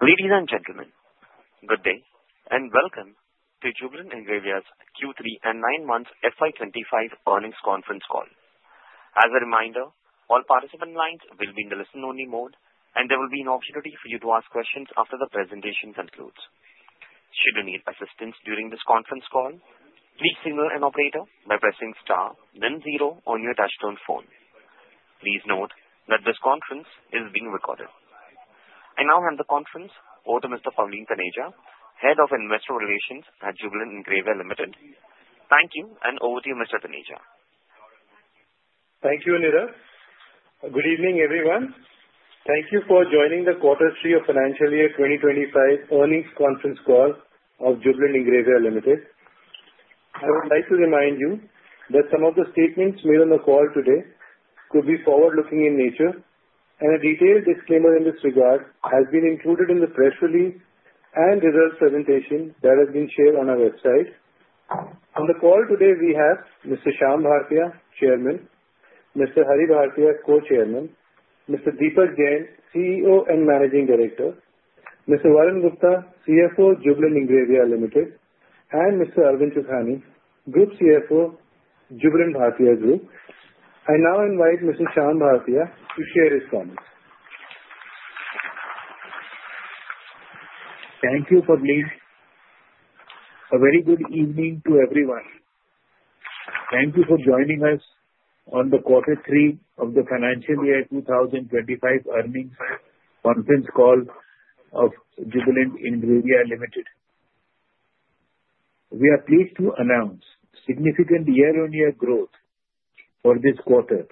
Ladies and gentlemen, good day, and welcome to Jubilant Ingrevia's Q3 and 9-month FY 2025 earnings conference call. As a reminder, all participant lines will be in the listen-only mode, and there will be an opportunity for you to ask questions after the presentation concludes. Should you need assistance during this conference call, please signal an operator by pressing star, then zero on your touch-tone phone. Please note that this conference is being recorded. I now hand the conference over to Mr. Pavleen Taneja, Head of Investor Relations at Jubilant Ingrevia Limited. Thank you, and over to you, Mr. Taneja. Thank you, Anurag. Good evening, everyone. Thank you for joining the quarter three of financial year 2025 earnings conference call of Jubilant Ingrevia Limited. I would like to remind you that some of the statements made on the call today could be forward-looking in nature, and a detailed disclaimer in this regard has been included in the press release and results presentation that has been shared on our website. On the call today, we have Mr. Shyam Bhartia, Chairman, Mr. Hari Bhartia, Co-Chairman, Mr. Deepak Jain, CEO and Managing Director, Mr. Varun Gupta, CFO, Jubilant Ingrevia Limited, and Mr. Arvind Chokhan, Group CFO, Jubilant Bhartia Group. I now invite Mr. Shyam Bhartia to share his comments. Thank you, Pavleen. A very good evening to everyone. Thank you for joining us on the quarter three of the financial year 2025 earnings conference call of Jubilant Ingrevia Limited. We are pleased to announce significant year-on-year growth for this quarter,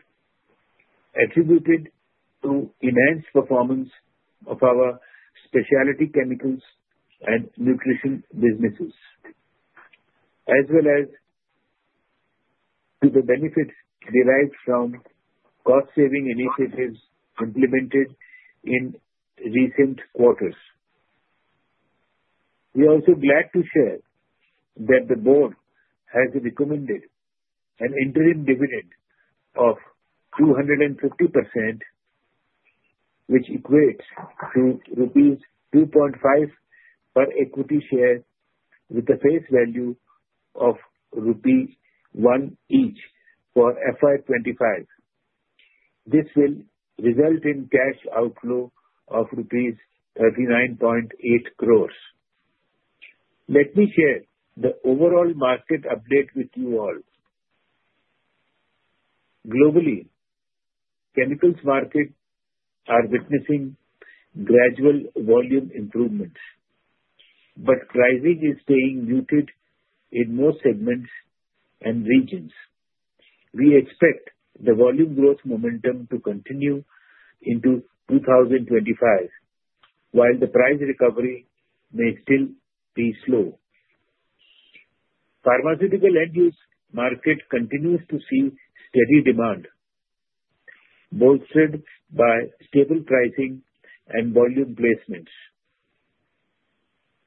attributed to enhanced performance of our specialty chemicals and nutrition businesses, as well as to the benefits derived from cost-saving initiatives implemented in recent quarters. We are also glad to share that the board has recommended an interim dividend of 250%, which equates to rupees 2.5 per equity share, with a face value of rupee 1 each for FY 2025. This will result in cash outflow of rupees 39.8 crores. Let me share the overall market update with you all. Globally, chemicals markets are witnessing gradual volume improvements, but pricing is staying muted in most segments and regions. We expect the volume growth momentum to continue into 2025, while the price recovery may still be slow. Pharmaceutical end-use market continues to see steady demand, bolstered by stable pricing and volume placements.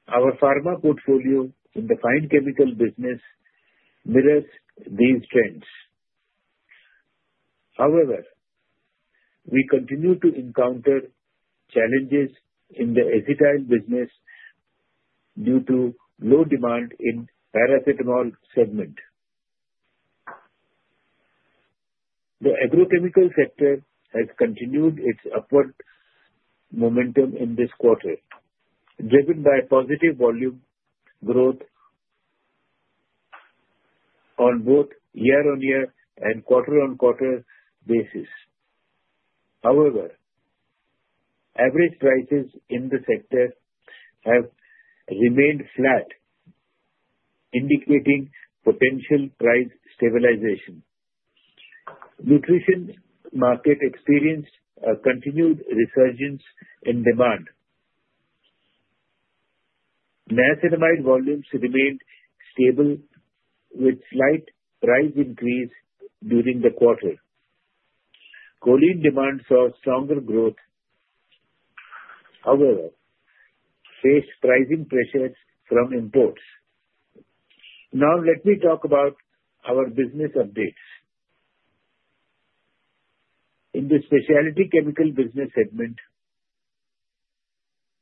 Our pharma portfolio in the fine chemical business mirrors these trends. However, we continue to encounter challenges in the acetyl business due to low demand in the paracetamol segment. The agrochemical sector has continued its upward momentum in this quarter, driven by positive volume growth on both year-on-year and quarter-on-quarter basis. However, average prices in the sector have remained flat, indicating potential price stabilization. Nutrition market experienced a continued resurgence in demand. Niacinamide volumes remained stable, with slight price increase during the quarter. Choline demand saw stronger growth, however, faced pricing pressures from imports. Now, let me talk about our business updates. In the specialty chemical business segment,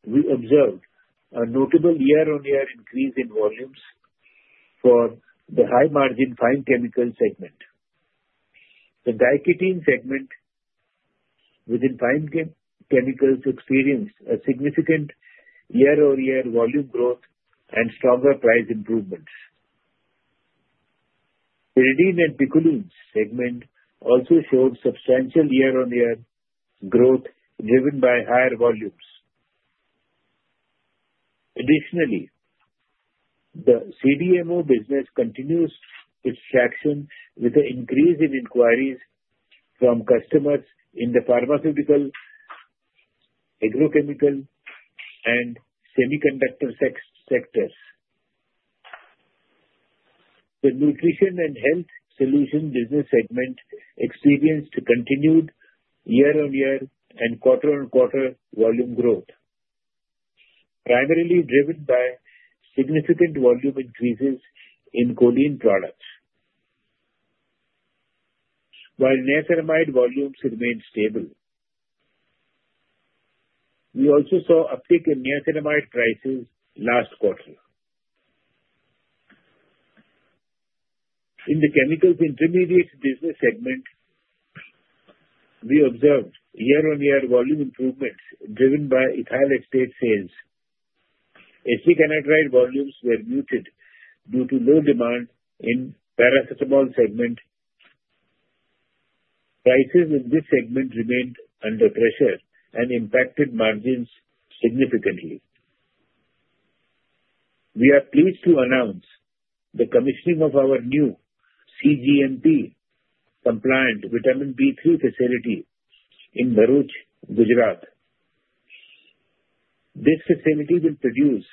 we observed a notable year-on-year increase in volumes for the high-margin fine chemical segment. The diketene segment within fine chemicals experienced a significant year-on-year volume growth and stronger price improvements. Pyridine and picolines segment also showed substantial year-on-year growth, driven by higher volumes. Additionally, the CDMO business continues its traction with an increase in inquiries from customers in the pharmaceutical, agrochemical, and semiconductor sectors. The nutrition and health solution business segment experienced continued year-on-year and quarter-on-quarter volume growth, primarily driven by significant volume increases in choline products, while niacinamide volumes remained stable. We also saw uptick in niacinamide prices last quarter. In the chemical intermediates business segment, we observed year-on-year volume improvements, driven by ethyl acetate sales. Acetic anhydride volumes were muted due to low demand in the paracetamol segment. Prices in this segment remained under pressure and impacted margins significantly. We are pleased to announce the commissioning of our new cGMP-compliant vitamin B3 facility in Bharuch, Gujarat. This facility will produce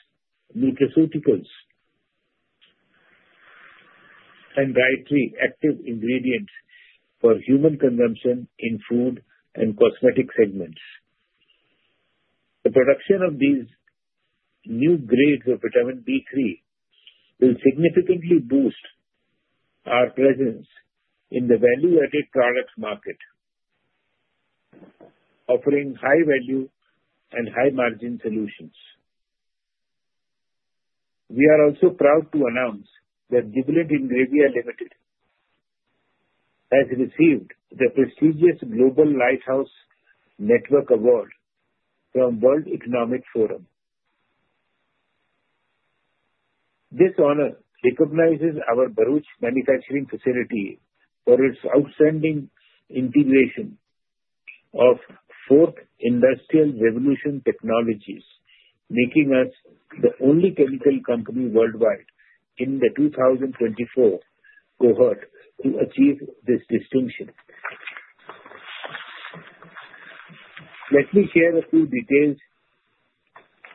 nutraceuticals and dietary active ingredients for human consumption in food and cosmetic segments. The production of these new grades of vitamin B3 will significantly boost our presence in the value-added products market, offering high-value and high-margin solutions. We are also proud to announce that Jubilant Ingrevia Limited has received the prestigious Global Lighthouse Network Award from the World Economic Forum. This honor recognizes our Bharuch manufacturing facility for its outstanding integration of fourth industrial revolution technologies, making us the only chemical company worldwide in the 2024 cohort to achieve this distinction. Let me share a few details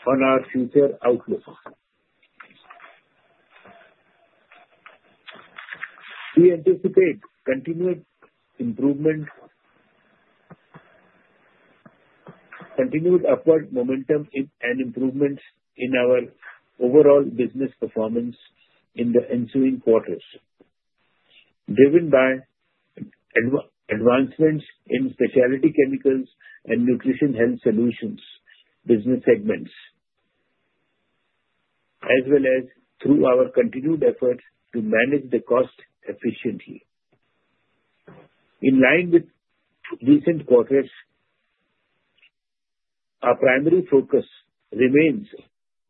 on our future outlook. We anticipate continued improvement, continued upward momentum, and improvements in our overall business performance in the ensuing quarters, driven by advancements in specialty chemicals and nutrition health solutions business segments, as well as through our continued efforts to manage the cost efficiently. In line with recent quarters, our primary focus remains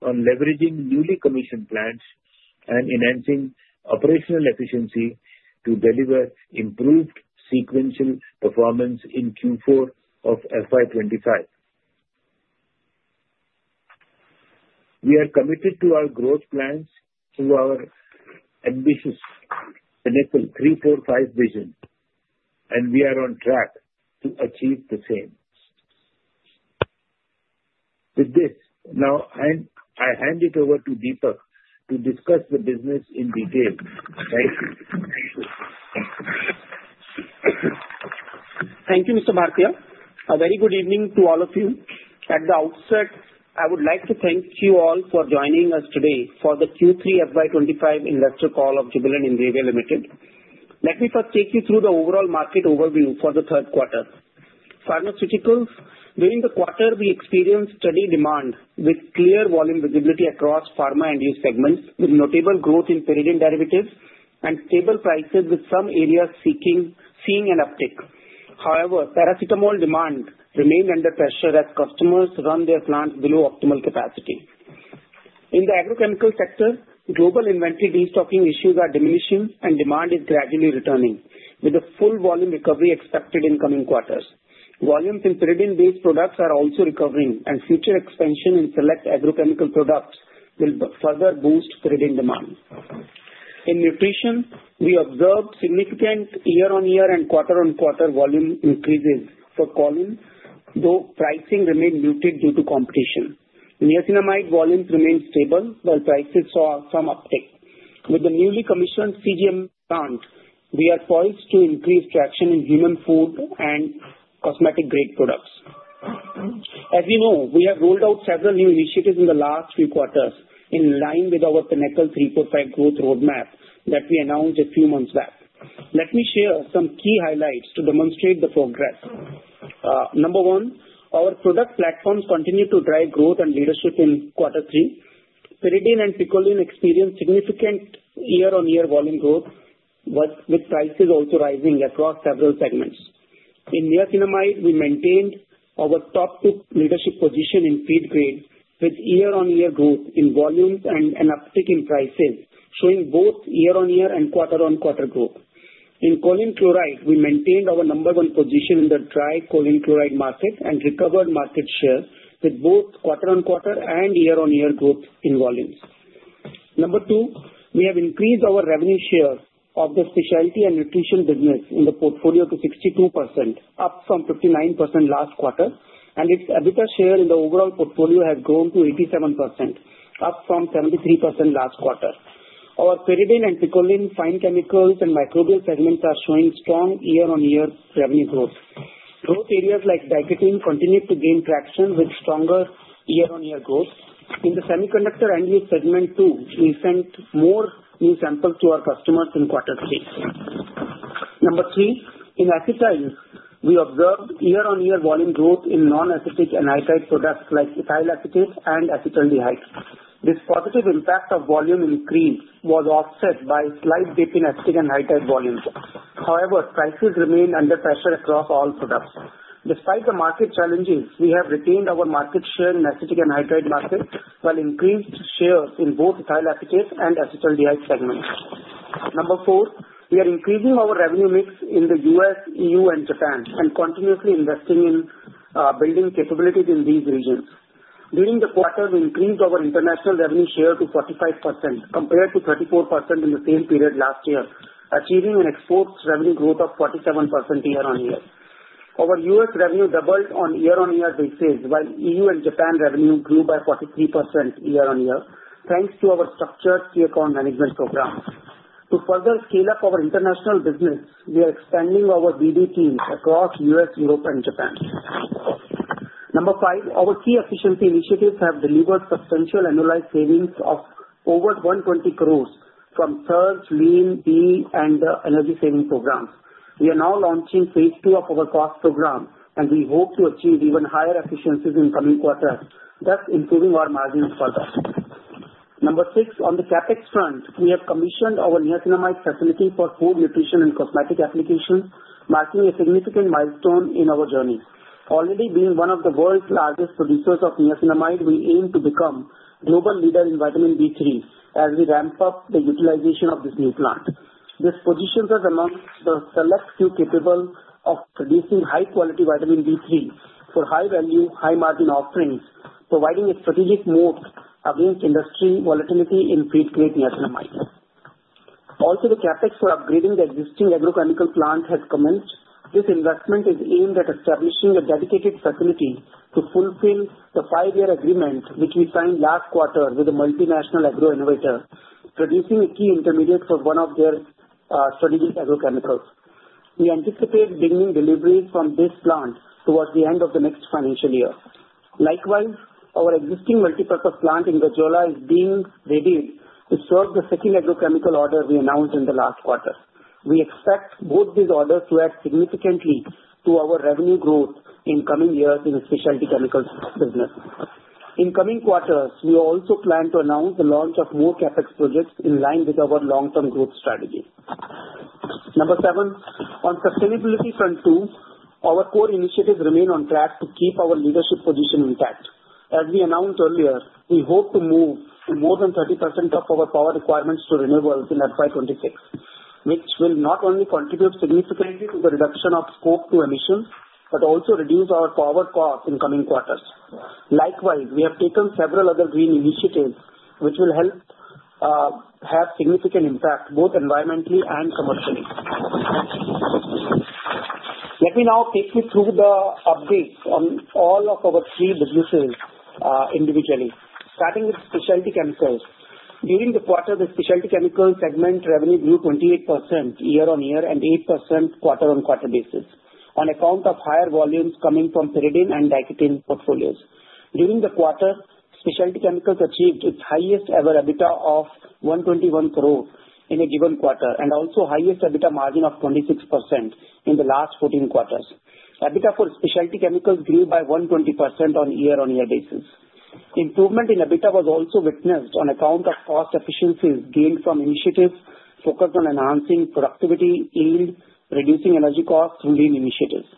on leveraging newly commissioned plants and enhancing operational efficiency to deliver improved sequential performance in Q4 of FY 2025. We are committed to our growth plans through our ambitious Financial Year 25 / Strategy 3-4-5 vision, and we are on track to achieve the same. With this, now I hand it over to Deepak to discuss the business in detail. Thank you. Thank you, Mr. Bhartiya. A very good evening to all of you. At the outset, I would like to thank you all for joining us today for the Q3 FY 2025 investor call of Jubilant Ingrevia Limited. Let me first take you through the overall market overview for the third quarter. Pharmaceuticals, during the quarter, we experienced steady demand with clear volume visibility across pharma end-use segments, with notable growth in pyridine derivatives and stable prices, with some areas seeing an uptick. However, paracetamol demand remained under pressure as customers run their plants below optimal capacity. In the agrochemical sector, global inventory restocking issues are diminishing, and demand is gradually returning, with a full volume recovery expected in coming quarters. Volumes in pyridine-based products are also recovering, and future expansion in select agrochemical products will further boost pyridine demand. In nutrition, we observed significant year-on-year and quarter-on-quarter volume increases for choline, though pricing remained muted due to competition. Niacinamide volumes remained stable, while prices saw some uptick. With the newly commissioned cGMP plant, we are poised to increase traction in human food and cosmetic-grade products. As you know, we have rolled out several new initiatives in the last few quarters in line with our FinExcel 345 growth roadmap that we announced a few months back. Let me share some key highlights to demonstrate the progress. Number one, our product platforms continue to drive growth and leadership in quarter three. Pyridine and picolines experienced significant year-on-year volume growth, with prices also rising across several segments. In Niacinamide, we maintained our top two leadership positions in feed grade, with year-on-year growth in volumes and an uptick in prices, showing both year-on-year and quarter-on-quarter growth. In choline chloride, we maintained our number one position in the dry choline chloride market and recovered market share, with both quarter-on-quarter and year-on-year growth in volumes. Number two, we have increased our revenue share of the specialty and nutrition business in the portfolio to 62%, up from 59% last quarter, and its EBITDA share in the overall portfolio has grown to 87%, up from 73% last quarter. Our pyridine and picoline fine chemicals and microbial segments are showing strong year-on-year revenue growth. Growth areas like diketene continue to gain traction with stronger year-on-year growth. In the semiconductor end-use segment too, we sent more new samples to our customers in quarter three. Number three, in acetyls, we observed year-on-year volume growth in non-acetic anhydride and anhydride products like ethyl acetate and acetaldehyde. This positive impact of volume increase was offset by slight dip in acetic anhydride volumes. However, prices remained under pressure across all products. Despite the market challenges, we have retained our market share in acetic anhydride markets while increased shares in both ethyl acetate and acetaldehyde segments. Number four, we are increasing our revenue mix in the U.S., E.U., and Japan, and continuously investing in building capabilities in these regions. During the quarter, we increased our international revenue share to 45%, compared to 34% in the same period last year, achieving an export revenue growth of 47% year-on-year. Our U.S. revenue doubled on year-on-year basis, while E.U. and Japan revenue grew by 43% year-on-year, thanks to our structured key account management program. To further scale up our international business, we are expanding our BD teams across the U.S., Europe, and Japan. Number five, our key efficiency initiatives have delivered substantial annualized savings of over 120 crore from SURGE, LEAN, BE, and the energy saving programs. We are now launching phase two of our cost program, and we hope to achieve even higher efficiencies in coming quarters, thus improving our margins further. Number six, on the CapEx front, we have commissioned our niacinamide facility for food, nutrition, and cosmetic applications, marking a significant milestone in our journey. Already being one of the world's largest producers of niacinamide, we aim to become a global leader in vitamin B3 as we ramp up the utilization of this new plant. This positions us among the select few capable of producing high-quality vitamin B3 for high-value, high-margin offerings, providing a strategic move against industry volatility in feed-grade niacinamide. Also, the CapEx for upgrading the existing agrochemical plant has commenced. This investment is aimed at establishing a dedicated facility to fulfill the five-year agreement which we signed last quarter with a multinational agro-innovator, producing a key intermediate for one of their strategic agrochemicals. We anticipate beginning deliveries from this plant towards the end of the next financial year. Likewise, our existing multipurpose plant in Gajraula is being readied to serve the second agrochemical order we announced in the last quarter. We expect both these orders to add significantly to our revenue growth in coming years in the specialty chemicals business. In coming quarters, we also plan to announce the launch of more CapEx projects in line with our long-term growth strategy. Number seven, on sustainability front too, our core initiatives remain on track to keep our leadership position intact. As we announced earlier, we hope to move more than 30% of our power requirements to renewables in FY26, which will not only contribute significantly to the reduction of Scope 2 emissions but also reduce our power costs in coming quarters. Likewise, we have taken several other green initiatives which will help have significant impact both environmentally and commercially. Let me now take you through the updates on all of our three businesses individually. Starting with specialty chemicals, during the quarter, the specialty chemicals segment revenue grew 28% year-on-year and 8% quarter-on-quarter basis on account of higher volumes coming from pyridine and diketene portfolios. During the quarter, specialty chemicals achieved its highest-ever EBITDA of 121 crore in a given quarter and also highest EBITDA margin of 26% in the last 14 quarters. EBITDA for specialty chemicals grew by 120% on a year-on-year basis. Improvement in EBITDA was also witnessed on account of cost efficiencies gained from initiatives focused on enhancing productivity, yield, reducing energy costs through green initiatives.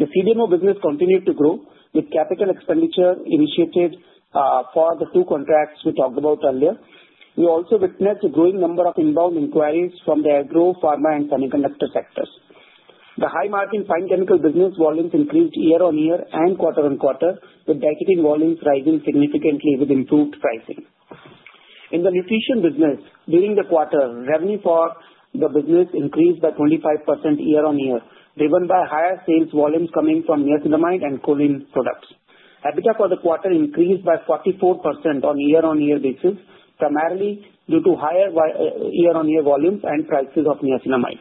The CDMO business continued to grow with capital expenditure initiated for the two contracts we talked about earlier. We also witnessed a growing number of inbound inquiries from the agro, pharma, and semiconductor sectors. The high-margin fine chemical business volumes increased year-on-year and quarter-on-quarter, with diketene volumes rising significantly with improved pricing. In the nutrition business, during the quarter, revenue for the business increased by 25% year-on-year, driven by higher sales volumes coming from niacinamide and choline products. EBITDA for the quarter increased by 44% on a year-on-year basis, primarily due to higher year-on-year volumes and prices of niacinamide.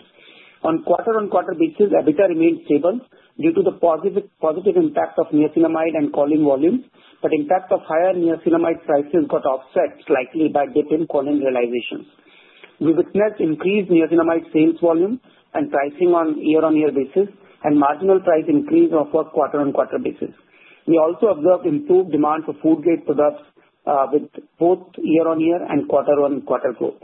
On quarter-on-quarter basis, EBITDA remained stable due to the positive impact of niacinamide and choline volumes, but impact of higher niacinamide prices got offset slightly by diketene, choline realizations. We witnessed increased niacinamide sales volume and pricing on a year-on-year basis and marginal price increase of a quarter-on-quarter basis. We also observed improved demand for food-grade products with both year-on-year and quarter-on-quarter growth.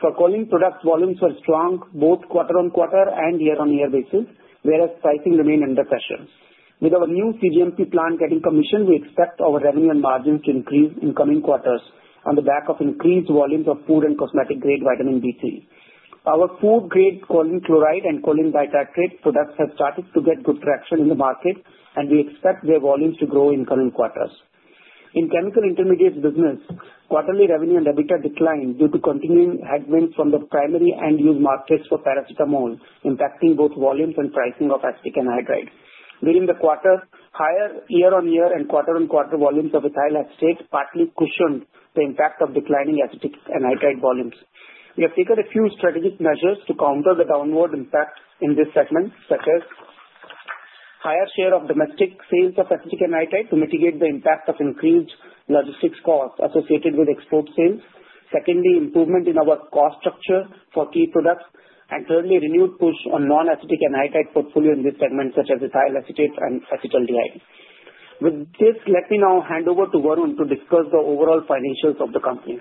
For choline products, volumes were strong both quarter-on-quarter and year-on-year basis, whereas pricing remained under pressure. With our new cGMP plant getting commissioned, we expect our revenue and margins to increase in coming quarters on the back of increased volumes of food and cosmetic-grade vitamin B3. Our food-grade choline chloride and choline dihydroxide products have started to get good traction in the market, and we expect their volumes to grow in coming quarters. In chemical intermediates business, quarterly revenue and EBITDA declined due to continuing headwinds from the primary end-use markets for paracetamol, impacting both volumes and pricing of acetic anhydride. During the quarter, higher year-on-year and quarter-on-quarter volumes of ethyl acetate partly cushioned the impact of declining acetic anhydride volumes. We have taken a few strategic measures to counter the downward impact in this segment, such as higher share of domestic sales of acetic anhydride to mitigate the impact of increased logistics costs associated with export sales, secondly, improvement in our cost structure for key products, and thirdly, renewed push on non-acetic anhydride portfolio in this segment, such as ethyl acetate and acetaldehyde. With this, let me now hand over to Varun to discuss the overall financials of the company.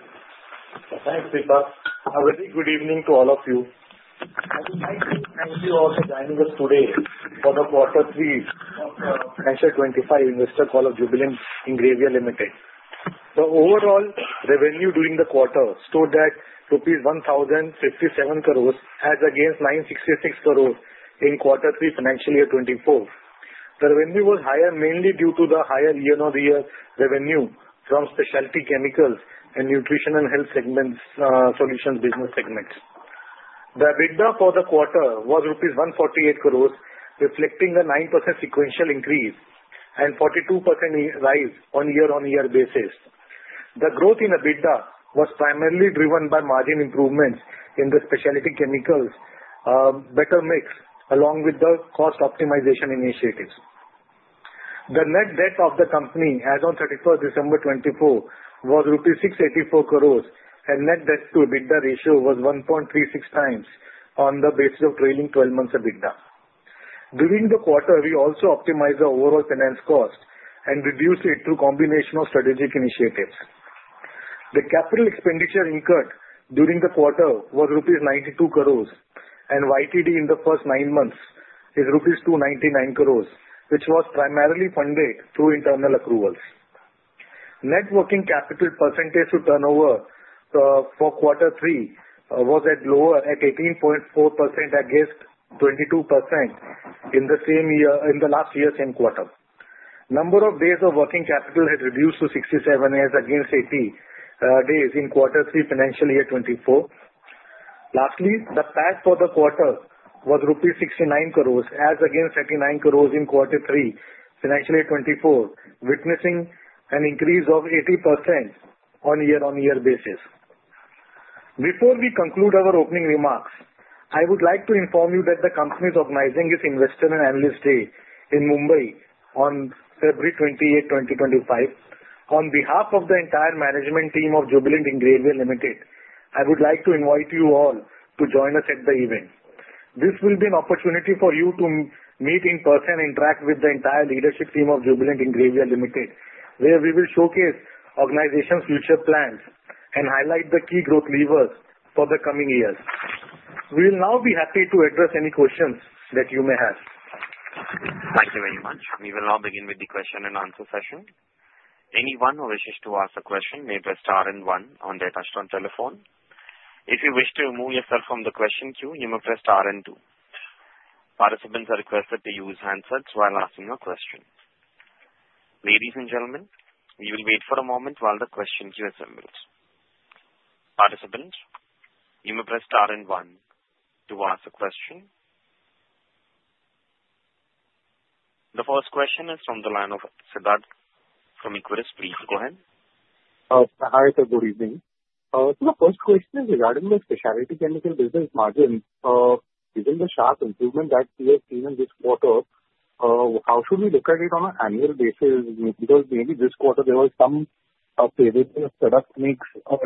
Thanks, Deepak. A very good evening to all of you. I would like to thank you all for joining us today for the quarter three of the FinExcel 345 investor call of Jubilant Ingrevia Limited. The overall revenue during the quarter stood at rupees 1,057 crore as against 966 crore in quarter three financial year 24. The revenue was higher mainly due to the higher year-on-year revenue from specialty chemicals and nutrition and health solutions business segments. The EBITDA for the quarter was 148 crore rupees, reflecting a 9% sequential increase and 42% rise on a year-on-year basis. The growth in EBITDA was primarily driven by margin improvements in the specialty chemicals' better mix, along with the cost optimization initiatives. The net debt of the company as of 31st December 2024 was 684 crore rupees, and net debt-to-EBITDA ratio was 1.36 times on the basis of trailing 12 months EBITDA. During the quarter, we also optimized the overall finance cost and reduced it through a combination of strategic initiatives. The capital expenditure incurred during the quarter was rupees 92 crore, and YTD in the first nine months is rupees 299 crore, which was primarily funded through internal accruals. Net working capital percentage to turnover for quarter three was lower at 18.4% against 22% in the last year's same quarter. Number of days of working capital had reduced to 67 against 80 days in quarter three financial year 2024. Lastly, the PAT for the quarter was 69 crore rupees as against 39 crore in quarter three financial year 2024, witnessing an increase of 80% on a year-on-year basis. Before we conclude our opening remarks, I would like to inform you that the company is organizing its Investor and Analyst Day in Mumbai on February 28, 2025. On behalf of the entire management team of Jubilant Ingrevia Limited, I would like to invite you all to join us at the event. This will be an opportunity for you to meet in person and interact with the entire leadership team of Jubilant Ingrevia Limited, where we will showcase the organization's future plans and highlight the key growth levers for the coming years. We will now be happy to address any questions that you may have. Thank you very much. We will now begin with the question-and-answer session. Anyone who wishes to ask a question may press *1 on their touch-tone telephone. If you wish to remove yourself from the question queue, you may press *2. Participants are requested to use handsets while asking a question. Ladies and gentlemen, we will wait for a moment while the question queue assembles. Participants, you may press *1 to ask a question. The first question is from the line of Siddharth from Equirus. Please go ahead. Hi, Sir, good evening. So the first question is regarding the specialty chemical business margins. Given the sharp improvement that we have seen in this quarter, how should we look at it on an annual basis? Because maybe this quarter there was some favorable product mix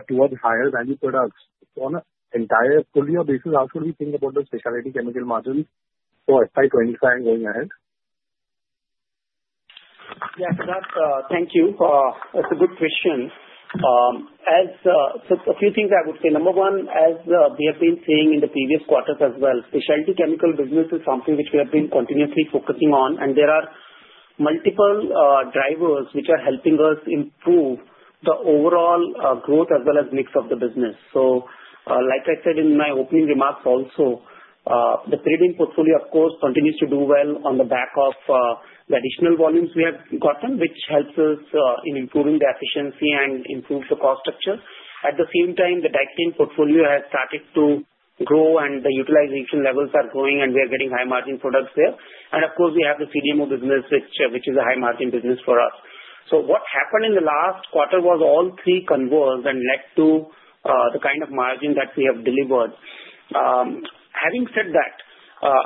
towards higher-value products. On an entire full-year basis, how should we think about the specialty chemical margins for FY 2025 going ahead? Yes, Sir, thank you. That's a good question, so a few things I would say. Number one, as we have been seeing in the previous quarters as well, specialty chemical business is something which we have been continuously focusing on, and there are multiple drivers which are helping us improve the overall growth as well as mix of the business, so like I said in my opening remarks also, the pyridine portfolio, of course, continues to do well on the back of the additional volumes we have gotten, which helps us in improving the efficiency and improves the cost structure. At the same time, the diketene portfolio has started to grow, and the utilization levels are growing, and we are getting high-margin products there, and of course, we have the CDMO business, which is a high-margin business for us. So what happened in the last quarter was all three converged and led to the kind of margin that we have delivered. Having said that,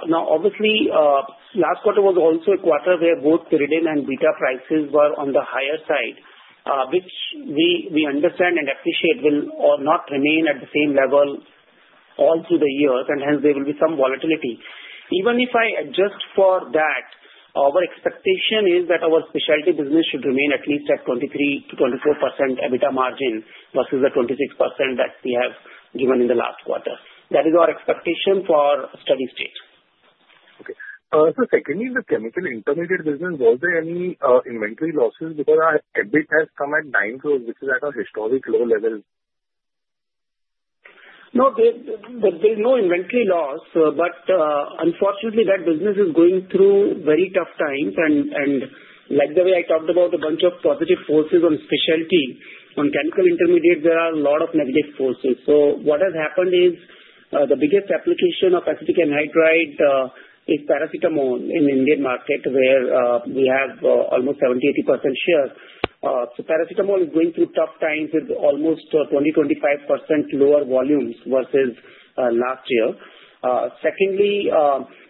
now, obviously, last quarter was also a quarter where both pyridine and beta prices were on the higher side, which we understand and appreciate will not remain at the same level all through the years, and hence there will be some volatility. Even if I adjust for that, our expectation is that our specialty business should remain at least at 23%-24% EBITDA margin versus the 26% that we have given in the last quarter. That is our expectation for steady state. Okay. Sir, secondly, the chemical intermediate business, was there any inventory losses because our EBIT has come at 9 crore, which is at a historic low level? No, there's no inventory loss, but unfortunately, that business is going through very tough times. And like the way I talked about a bunch of positive forces on specialty, on chemical intermediates, there are a lot of negative forces. So what has happened is the biggest application of acetic anhydride is paracetamol in the Indian market, where we have almost 70%-80% share. So paracetamol is going through tough times with almost 20%-25% lower volumes versus last year. Secondly,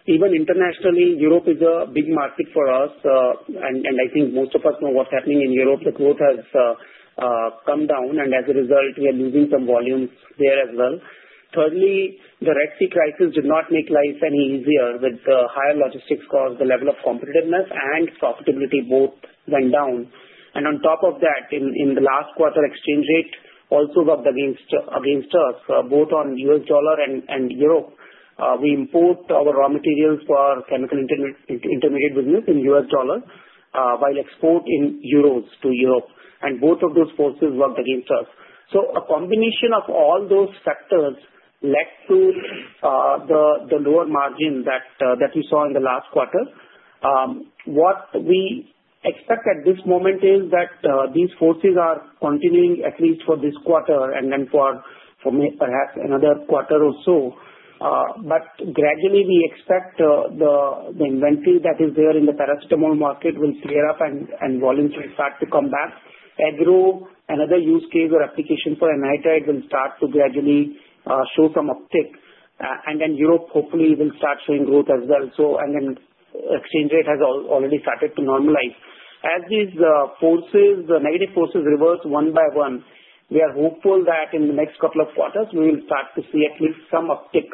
even internationally, Europe is a big market for us, and I think most of us know what's happening in Europe. The growth has come down, and as a result, we are losing some volumes there as well. Thirdly, the Red Sea crisis did not make life any easier with the higher logistics costs, the level of competitiveness, and profitability both went down. On top of that, in the last quarter, exchange rate also got against us, both on U.S. dollar and euro. We import our raw materials for chemical intermediate business in US dollars while export in euros to Europe, and both of those forces worked against us. A combination of all those factors led to the lower margin that we saw in the last quarter. What we expect at this moment is that these forces are continuing at least for this quarter and then for perhaps another quarter or so. Gradually, we expect the inventory that is there in the paracetamol market will clear up and volumes will start to come back. Agro, another use case or application for anhydride, will start to gradually show some uptick, and then Europe, hopefully, will start showing growth as well. Exchange rate has already started to normalize. As these negative forces reverse one by one, we are hopeful that in the next couple of quarters, we will start to see at least some uptick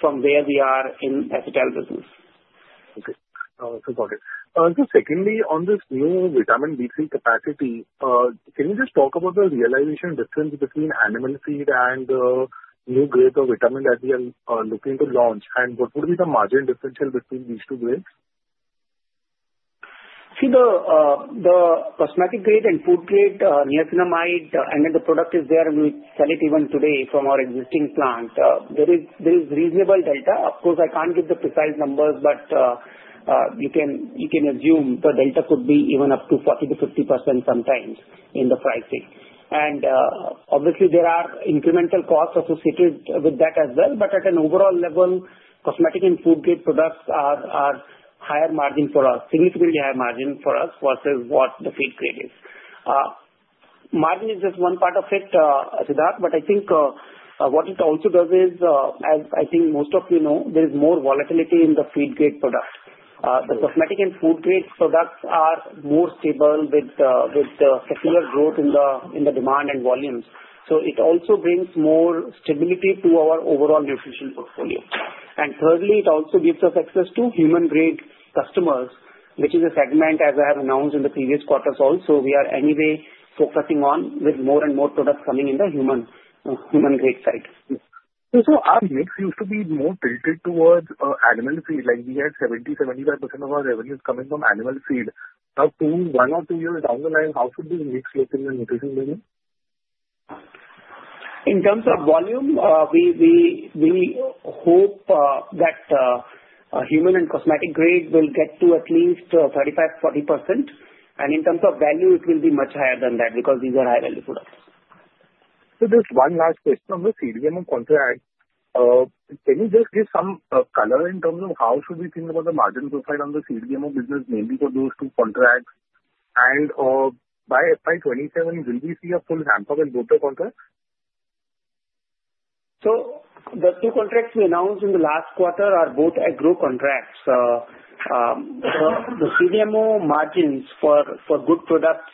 from where we are in Acetaldehyde business. Okay. That's important. So secondly, on this new vitamin B3 capacity, can you just talk about the realization difference between animal feed and the new grade of vitamin that we are looking to launch, and what would be the margin differential between these two grades? See, the cosmetic grade and food-grade niacinamide, and then the product is there, and we sell it even today from our existing plant. There is reasonable delta. Of course, I can't give the precise numbers, but you can assume the delta could be even up to 40%-50% sometimes in the pricing. And obviously, there are incremental costs associated with that as well, but at an overall level, cosmetic and food-grade products are higher margin for us, significantly higher margin for us versus what the feed-grade is. Margin is just one part of it, Siddharth, but I think what it also does is, as I think most of you know, there is more volatility in the feed-grade product. The cosmetic and food-grade products are more stable with the secular growth in the demand and volumes. So it also brings more stability to our overall nutrition portfolio. Thirdly, it also gives us access to human-grade customers, which is a segment, as I have announced in the previous quarters also, we are anyway focusing on with more and more products coming in the human-grade side. So our mix used to be more tilted towards animal feed. We had 70%-75% of our revenues coming from animal feed. Up to one or two years down the line, how should this mix look in the nutrition business? In terms of volume, we hope that human and cosmetic grade will get to at least 35%-40%, and in terms of value, it will be much higher than that because these are high-value products. So just one last question on the CDMO contract, can you just give some color in terms of how should we think about the margin profile on the CDMO business, mainly for those two contracts? And by FY 2027, will we see a full ramp-up in both the contracts? The two contracts we announced in the last quarter are both agro contracts. The CDMO margins for good products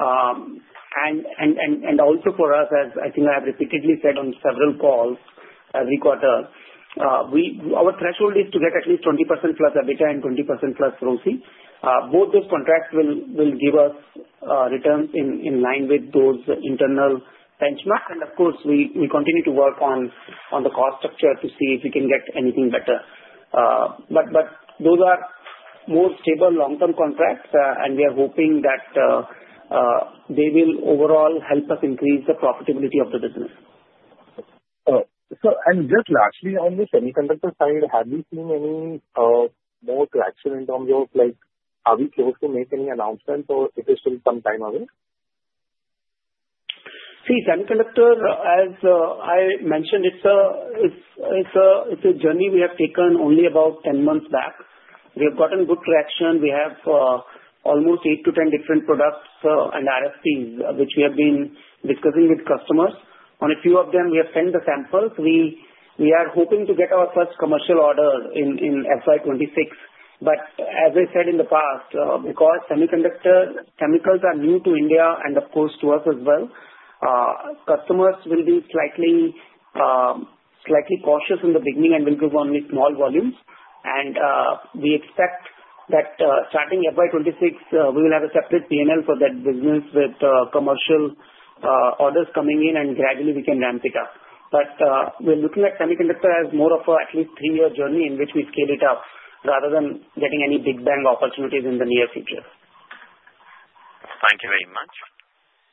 and also for us, as I think I have repeatedly said on several calls every quarter, our threshold is to get at least 20% plus EBITDA and 20% plus ROSI. Both those contracts will give us returns in line with those internal benchmarks, and of course, we continue to work on the cost structure to see if we can get anything better. But those are more stable long-term contracts, and we are hoping that they will overall help us increase the profitability of the business. Just lastly, on the semiconductor side, have you seen any more traction in terms of are we close to making any announcements, or is it still some time away? See, semiconductor, as I mentioned, it's a journey we have taken only about 10 months back. We have gotten good traction. We have almost eight to 10 different products and RFPs which we have been discussing with customers. On a few of them, we have sent the samples. We are hoping to get our first commercial order in FY 2026. But as I said in the past, because semiconductor chemicals are new to India and, of course, to us as well, customers will be slightly cautious in the beginning and will give only small volumes. And we expect that starting FY 2026, we will have a separate P&L for that business with commercial orders coming in, and gradually we can ramp it up. But we're looking at semiconductor as more of an at least three-year journey in which we scale it up rather than getting any big bang opportunities in the near future. Thank you very much.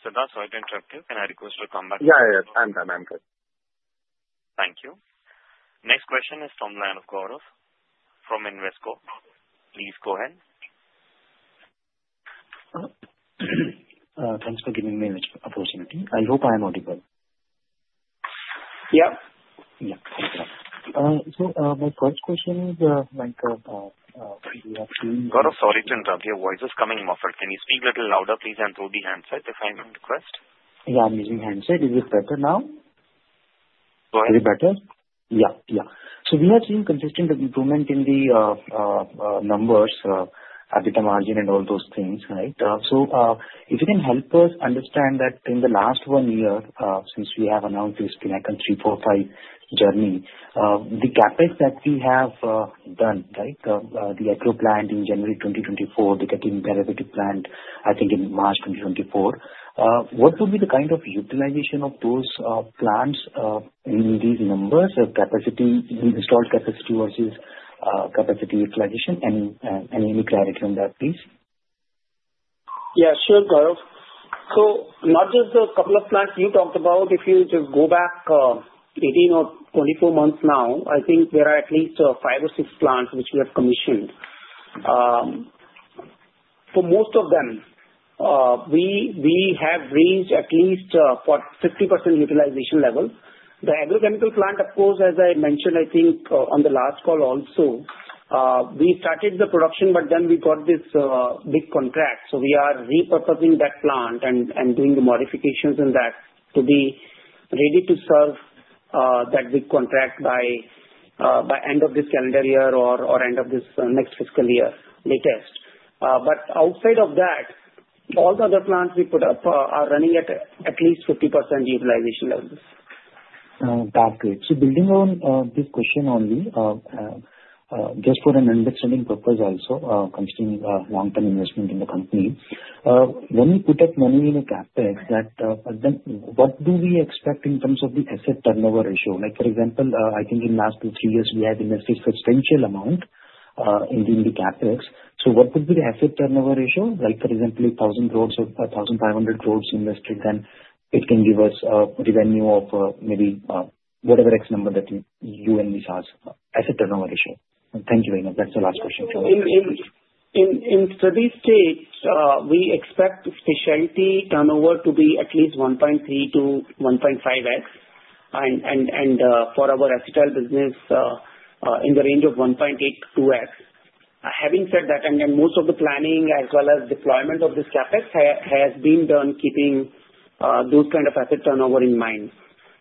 Siddharth, so I interrupt you, can I request to come back? Yeah, yeah, I'm good. Thank you. Next question is from the line of Rohit from Invesco. Please go ahead. Thanks for giving me this opportunity. I hope I am audible. Yeah. Yeah. Thank you. So my first question is, we have seen. Sorry to interrupt. Your voice is coming muffled. Can you speak a little louder, please, and through the handset if I may request? Yeah, I'm using handset. Is it better now? Go ahead. Is it better? Yeah, yeah. So we have seen consistent improvement in the numbers, EBITDA margin, and all those things, right? So if you can help us understand that in the last one year since we have announced this FinExcel 345 journey, the CapEx that we have done, right, the agro plant in January 2024, the getting the repeated plant, I think in March 2024, what would be the kind of utilization of those plants in these numbers of installed capacity versus capacity utilization? Any clarity on that, please? Yeah, sure, Sir. So not just a couple of plants you talked about. If you just go back 18 or 24 months now, I think there are at least five or six plants which we have commissioned. For most of them, we have reached at least 50% utilization level. The agrochemical plant, of course, as I mentioned, I think on the last call also, we started the production, but then we got this big contract. So we are repurposing that plant and doing the modifications in that to be ready to serve that big contract by end of this calendar year or end of this next fiscal year latest. But outside of that, all the other plants we put up are running at least 50% utilization levels. That's good. So building on this question only, just for an understanding purpose also, considering long-term investment in the company, when we put up money in a CapEx, what do we expect in terms of the asset turnover ratio? For example, I think in the last two, three years, we have invested substantial amount in the CapEx. So what would be the asset turnover ratio? For example, if 1,000 crores or 1,500 crores invested, then it can give us revenue of maybe whatever X number that you and me asset turnover ratio. Thank you very much. That's the last question. In steady state, we expect specialty turnover to be at least 1.3X-1.5X, and for our acetaldehyde business, in the range of 1.8X-2X. Having said that, and then most of the planning as well as deployment of this CapEx has been done keeping those kind of asset turnover in mind.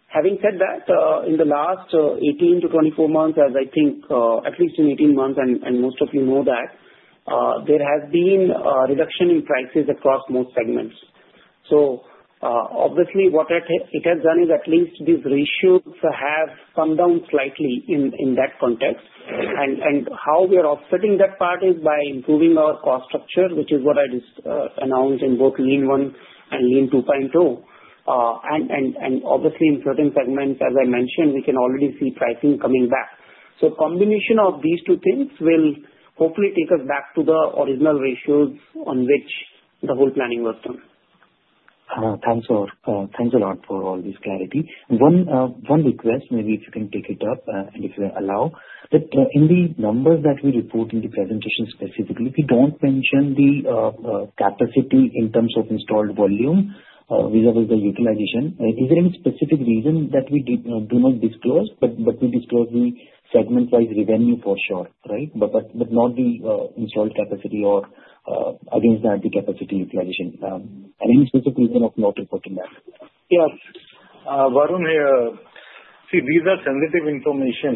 Having said that, in the last 18-24 months, as I think at least in 18 months, and most of you know that, there has been a reduction in prices across most segments. So obviously, what it has done is at least these ratios have come down slightly in that context. And how we are offsetting that part is by improving our cost structure, which is what I announced in both LEAN 1 and LEAN 2.0. And obviously, in certain segments, as I mentioned, we can already see pricing coming back. So combination of these two things will hopefully take us back to the original ratios on which the whole planning was done. Thanks a lot. Thanks a lot for all this clarity. One request, maybe if you can pick it up and if you allow, that in the numbers that we report in the presentation specifically, we don't mention the capacity in terms of installed volume vis-à-vis the utilization. Is there any specific reason that we do not disclose, but we disclose the segment-wise revenue for sure, right, but not the installed capacity or against that, the capacity utilization? Any specific reason of not reporting that? Yes. Varun here. See, these are sensitive information,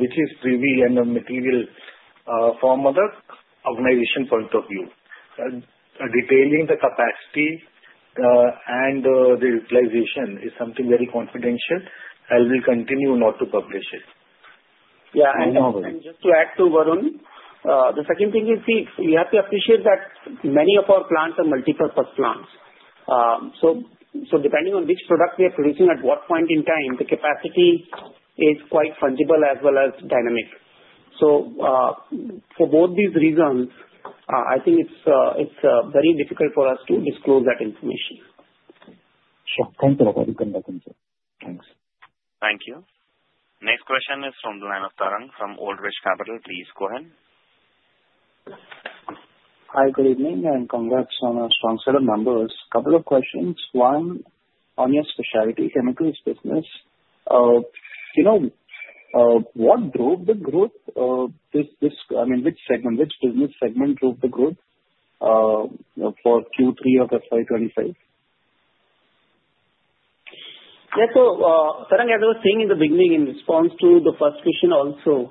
which is proprietary and material from other organization point of view. Detailing the capacity and the utilization is something very confidential, and we'll continue not to publish it. Yeah. And just to add to Varun, the second thing is, see, we have to appreciate that many of our plants are multi-purpose plants. So depending on which product we are producing at what point in time, the capacity is quite fungible as well as dynamic. So for both these reasons, I think it's very difficult for us to disclose that information. Sure. Thank you, sir. Thanks. Thank you. Next question is from the line of Tarang from Old Bridge Capital. Please go ahead. Hi, good evening, and congrats on strong set of numbers. A couple of questions. One, on your specialty chemicals business, what drove the growth? I mean, which segment, which business segment drove the growth for Q3 of FY 2026? Yeah. So Tarang, as I was saying in the beginning, in response to the first question also,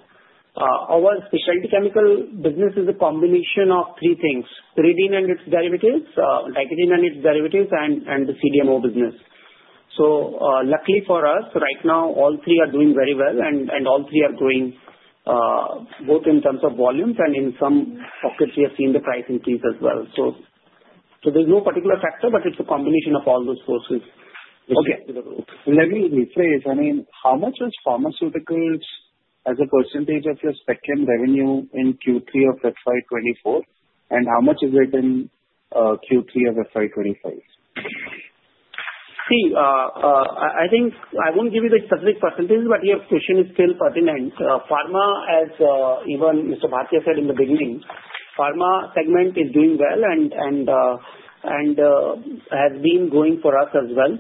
our specialty chemical business is a combination of three things: pyridine and its derivatives, picoline and its derivatives, and the CDMO business. So luckily for us, right now, all three are doing very well, and all three are growing both in terms of volumes, and in some pockets, we have seen the price increase as well. So there's no particular factor, but it's a combination of all those forces which led to the growth. Let me rephrase. I mean, how much was pharmaceuticals as a % of your specialty revenue in Q3 of FY 2024, and how much is it in Q3 of FY 2025? See, I think I won't give you the specific percentage, but your question is still pertinent. Pharma, as even Mr. Bhartiya said in the beginning, the pharma segment is doing well and has been growing for us as well.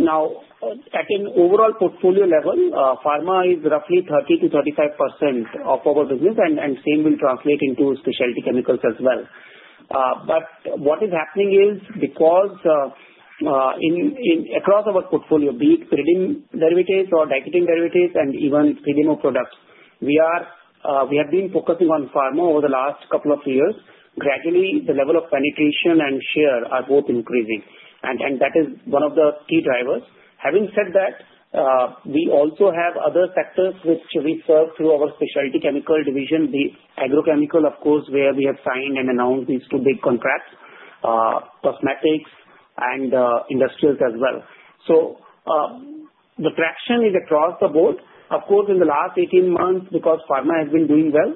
Now, at an overall portfolio level, pharma is roughly 30%-35% of our business, and same will translate into specialty chemicals as well. But what is happening is because across our portfolio, be it pyridine derivatives or nicotinic derivatives and even pyridine products, we have been focusing on pharma over the last couple of years. Gradually, the level of penetration and share are both increasing, and that is one of the key drivers. Having said that, we also have other sectors which we serve through our specialty chemical division, the agrochemical, of course, where we have signed and announced these two big contracts, cosmetics and industrials as well. So the traction is across the board. Of course, in the last 18 months, because pharma has been doing well,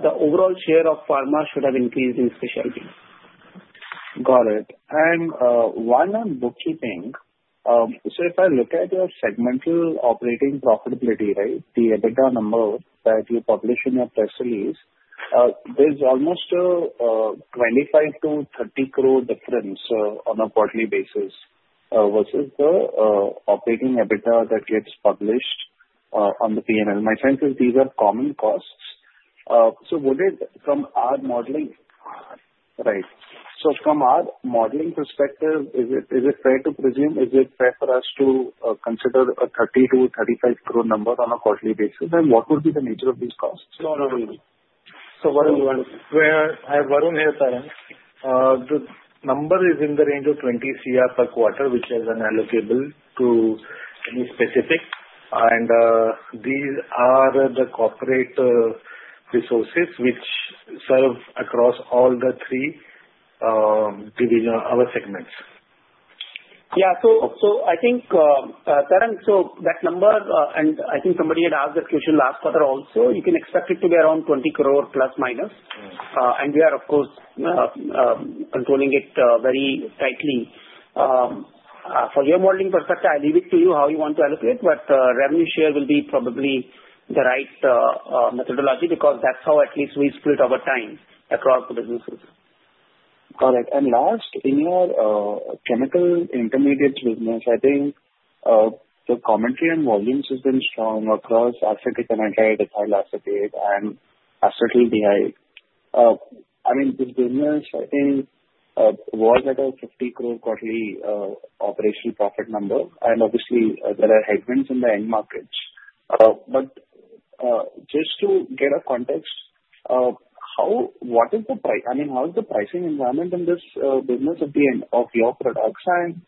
the overall share of pharma should have increased in specialty. Got it. And while I'm bookkeeping, so if I look at your segmental operating profitability, right, the EBITDA number that you publish in your press release, there's almost a 25-30 crore difference on a quarterly basis versus the operating EBITDA that gets published on the P&L. My sense is these are common costs. So from our modeling perspective, is it fair to presume? Is it fair for us to consider a 30-35 crore number on a quarterly basis? And what would be the nature of these costs? So Varun here, Tarang. The number is in the range of 20 crore per quarter, which is unallocable to any specific. And these are the corporate resources which serve across all the three divisions of our segments. Yeah. So I think, Tarang, so that number, and I think somebody had asked that question last quarter also, you can expect it to be around 20 crore plus minus. And we are, of course, controlling it very tightly. For your modeling perspective, I leave it to you how you want to allocate, but revenue share will be probably the right methodology because that's how at least we split our time across the businesses. Got it. And last, in your chemical intermediate business, I think the commentary on volumes has been strong across acetate and anhydride and acetaldehyde. I mean, this business, I think, was at an 50 crore quarterly operational profit number. And obviously, there are headwinds in the end markets. But just to get a context, what is the price? I mean, how is the pricing environment in this business at the end of your products? And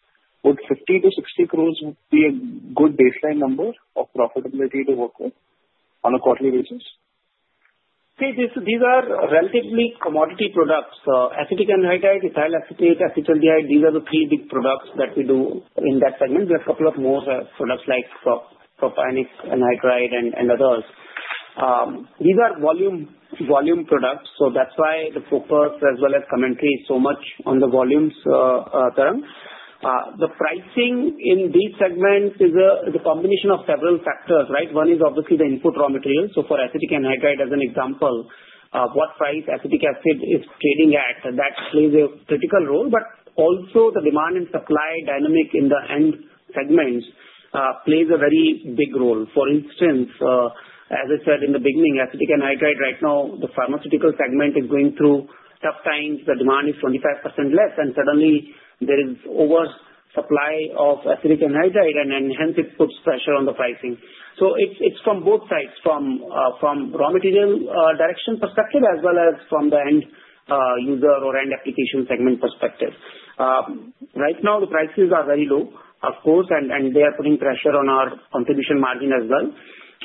would 50-60 crores be a good baseline number of profitability to work with on a quarterly basis? See, these are relatively commodity products. Acetic anhydride, ethyl acetate, acetaldehyde, these are the three big products that we do in that segment. There are a couple of more products like propionic anhydride and others. These are volume products, so that's why the focus as well as commentary is so much on the volumes, Tarang. The pricing in these segments is a combination of several factors, right? One is obviously the input raw materials. So for acetic anhydride, as an example, what price acetic acid is trading at, that plays a critical role. But also the demand and supply dynamic in the end segments plays a very big role. For instance, as I said in the beginning, acetic anhydride right now, the pharmaceutical segment is going through tough times. The demand is 25% less, and suddenly there is oversupply of acetic anhydride, and hence it puts pressure on the pricing. So it's from both sides, from raw material direction perspective as well as from the end user or end application segment perspective. Right now, the prices are very low, of course, and they are putting pressure on our contribution margin as well.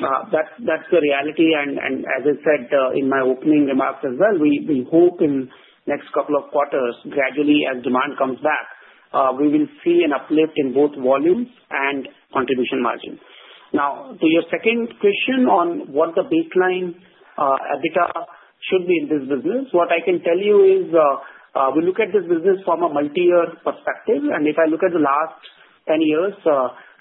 That's the reality. And as I said in my opening remarks as well, we hope in the next couple of quarters, gradually as demand comes back, we will see an uplift in both volumes and contribution margin. Now, to your second question on what the baseline EBITDA should be in this business, what I can tell you is we look at this business from a multi-year perspective. And if I look at the last 10 years,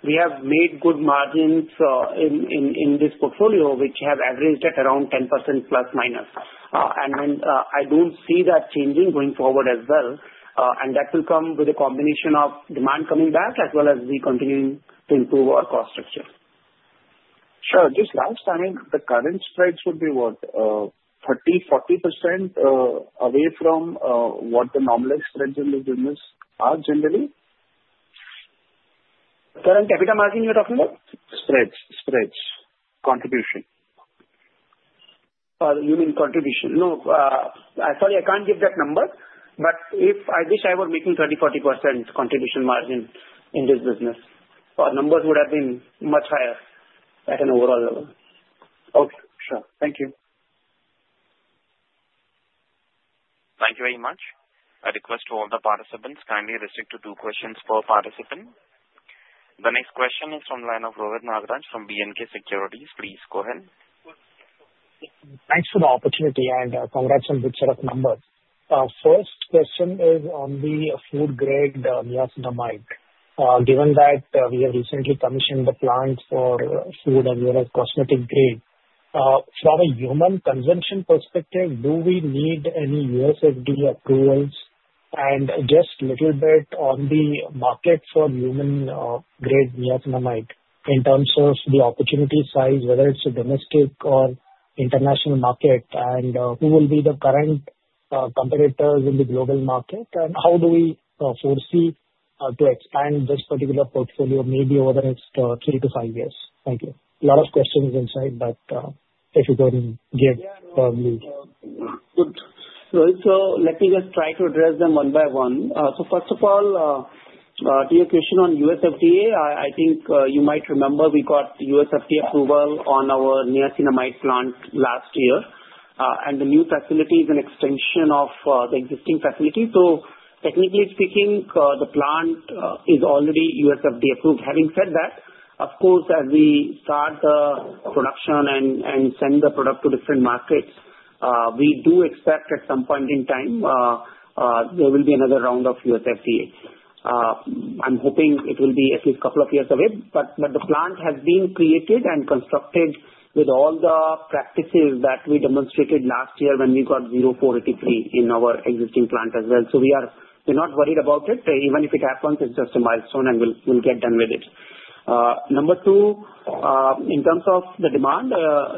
we have made good margins in this portfolio, which have averaged at around 10% plus minus. And then I don't see that changing going forward as well. That will come with a combination of demand coming back as well as we continue to improve our cost structure. Sure. Just last time, the current spreads would be what, 30%-40% away from what the normal spreads in the business are generally? Tarang, EBITDA margin you're talking about? Spreads. Spreads. Contribution. You mean contribution? No. Sorry, I can't give that number, but if I wish I were making 20%-40% contribution margin in this business, our numbers would have been much higher at an overall level. Okay. Sure. Thank you. Thank you very much. I request all the participants kindly restrict to two questions per participant. The next question is from the line of Rohit Nagaraj from B&K Securities. Please go ahead. Thanks for the opportunity and congrats on good set of numbers. First question is on the food-grade niacinamide. Given that we have recently commissioned the plant for food and cosmetic grade, from a human consumption perspective, do we need any USFDA approvals? And just a little bit on the market for human-grade niacinamide in terms of the opportunity size, whether it's a domestic or international market, and who will be the current competitors in the global market? And how do we foresee to expand this particular portfolio maybe over the next three to five years? Thank you. A lot of questions inside, but if you can give a view. Good. So let me just try to address them one by one. So first of all, to your question on USFDA, I think you might remember we got USFDA approval on our niacinamide plant last year, and the new facility is an extension of the existing facility. So technically speaking, the plant is already USFDA approved. Having said that, of course, as we start the production and send the product to different markets, we do expect at some point in time there will be another round of USFDA. I'm hoping it will be at least a couple of years away, but the plant has been created and constructed with all the practices that we demonstrated last year when we got Form 483 in our existing plant as well. So we are not worried about it. Even if it happens, it's just a milestone, and we'll get done with it. Number two, in terms of the demand,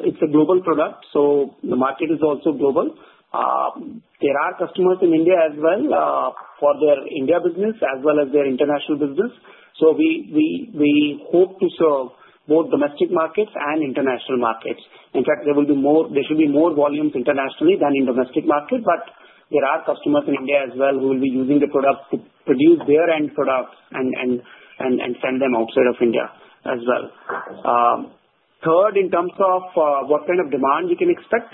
it's a global product, so the market is also global. There are customers in India as well for their India business as well as their international business. So we hope to serve both domestic markets and international markets. In fact, there will be more. There should be more volumes internationally than in domestic markets, but there are customers in India as well who will be using the product to produce their end products and send them outside of India as well. Third, in terms of what kind of demand we can expect,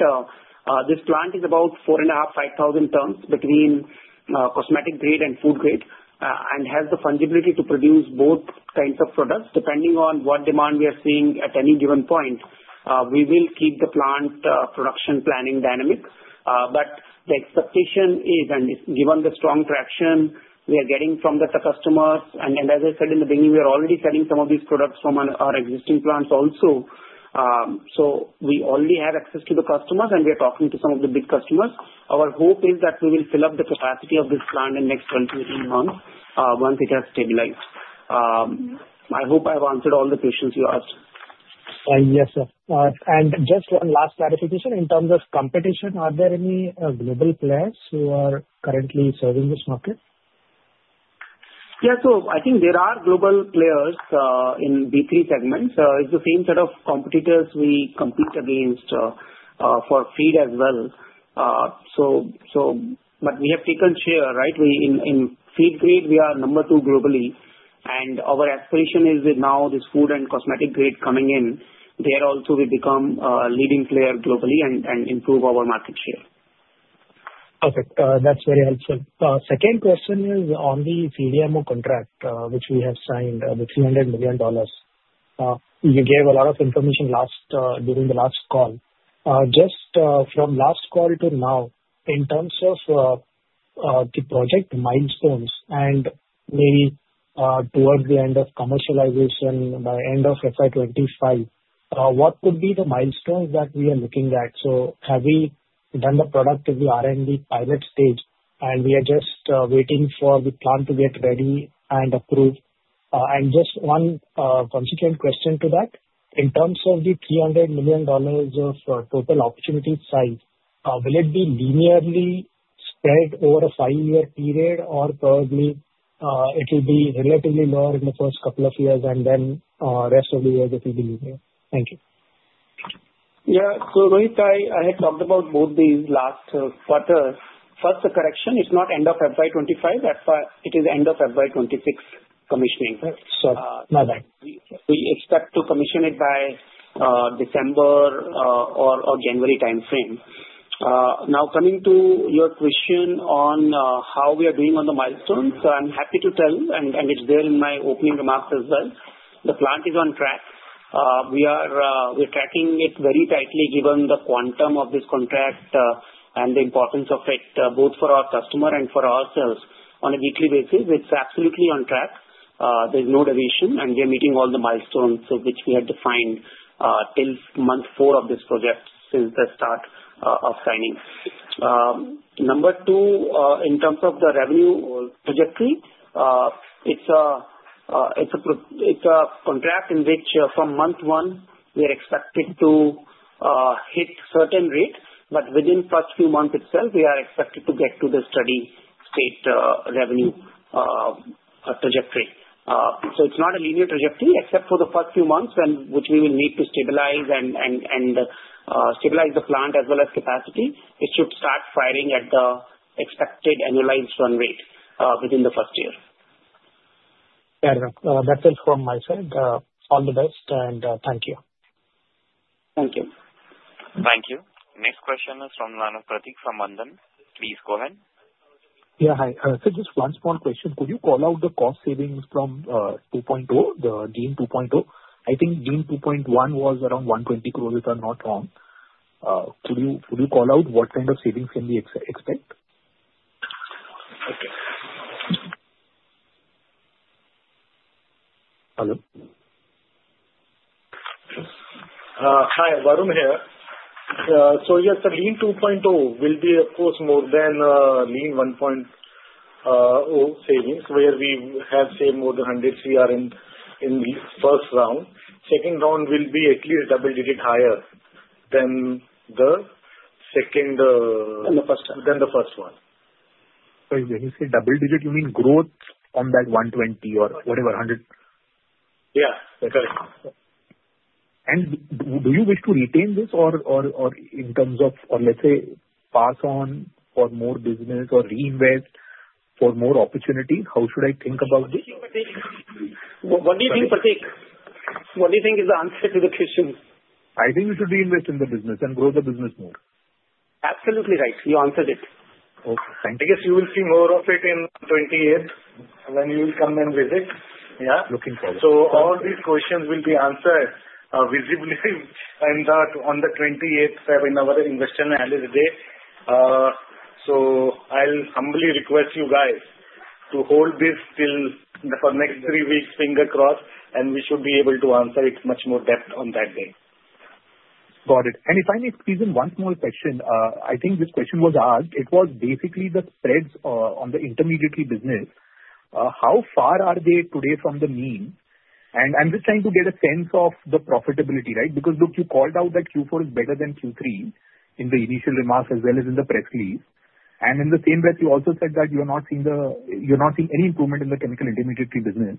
this plant is about 4,500-5,000 tons between cosmetic grade and food grade and has the fungibility to produce both kinds of products. Depending on what demand we are seeing at any given point, we will keep the plant production planning dynamic. But the expectation is, and given the strong traction we are getting from the customers, and as I said in the beginning, we are already selling some of these products from our existing plants also. So we already have access to the customers, and we are talking to some of the big customers. Our hope is that we will fill up the capacity of this plant in the next 10-15 months once it has stabilized. I hope I've answered all the questions you asked. Yes, sir, and just one last clarification. In terms of competition, are there any global players who are currently serving this market? Yeah. So I think there are global players in B3 segments. It's the same set of competitors we compete against for feed as well. But we have taken share, right? In feed grade, we are number two globally. And our aspiration is now this food and cosmetic grade coming in, there also we become a leading player globally and improve our market share. Perfect. That's very helpful. Second question is on the CDMO contract, which we have signed, the $300 million. You gave a lot of information during the last call. Just from last call to now, in terms of the project milestones and maybe towards the end of commercialization, by end of FY 2025, what would be the milestones that we are looking at? So have we done the product in the R&D pilot stage, and we are just waiting for the plant to get ready and approved? And just one subsequent question to that. In terms of the $300 million of total opportunity size, will it be linearly spread over a five-year period, or probably it will be relatively lower in the first couple of years, and then rest of the year it will be linear? Thank you. Yeah. So Rohit, I had talked about both these last quarters. First, the correction, it's not end of FY 2025. It is end of FY 2026 commissioning. We expect to commission it by December or January timeframe. Now, coming to your question on how we are doing on the milestones, I'm happy to tell, and it's there in my opening remarks as well. The plant is on track. We are tracking it very tightly given the quantum of this contract and the importance of it both for our customer and for ourselves. On a weekly basis, it's absolutely on track. There's no deviation, and we are meeting all the milestones which we had defined till month four of this project since the start of signing. Number two, in terms of the revenue trajectory, it's a contract in which from month one, we are expected to hit a certain rate, but within the first few months itself, we are expected to get to the steady state revenue trajectory. So it's not a linear trajectory except for the first few months, which we will need to stabilize the plant as well as capacity. It should start firing at the expected annualized run rate within the first year. That's it from my side. All the best, and thank you. Thank you. Thank you. Next question is from Prateek from London. Please go ahead. Yeah. Hi. So just one small question. Could you call out the cost savings from 2.0, the Lean 2.1? I think Lean 2.1was around 120 crore, if I'm not wrong. Could you call out what kind of savings can we expect? Okay. Hello. Hi. Varun here. So yes, the Lean 2.1 will be, of course, more than Lean 2.1 savings, where we have saved more than 100 Cr in the first round. Second round will be at least double-digit higher than the second. Than the first one. Than the first one. So you say double-digit, you mean growth on that 120 or whatever, 100? Yeah. Correct. Do you wish to retain this, or in terms of, let's say, pass on for more business or reinvest for more opportunity? How should I think about this? What do you think, Prateek? What do you think is the answer to the question? I think you should reinvest in the business and grow the business more. Absolutely right. You answered it. Okay. Thank you. I guess you will see more of it on the 28th when you will come and visit. Yeah. So all these questions will be answered visibly on the 28th, in our Investor Analyst Day. So I'll humbly request you guys to hold this till for the next three weeks, fingers crossed, and we should be able to answer it much more depth on that day. Got it. And if I may squeeze in one small question, I think this question was asked. It was basically the spreads on the intermediate business. How far are they today from the mean? And I'm just trying to get a sense of the profitability, right? Because look, you called out that Q4 is better than Q3 in the initial remarks as well as in the press release. And in the same breath, you also said that you are not seeing any improvement in the chemical intermediate business,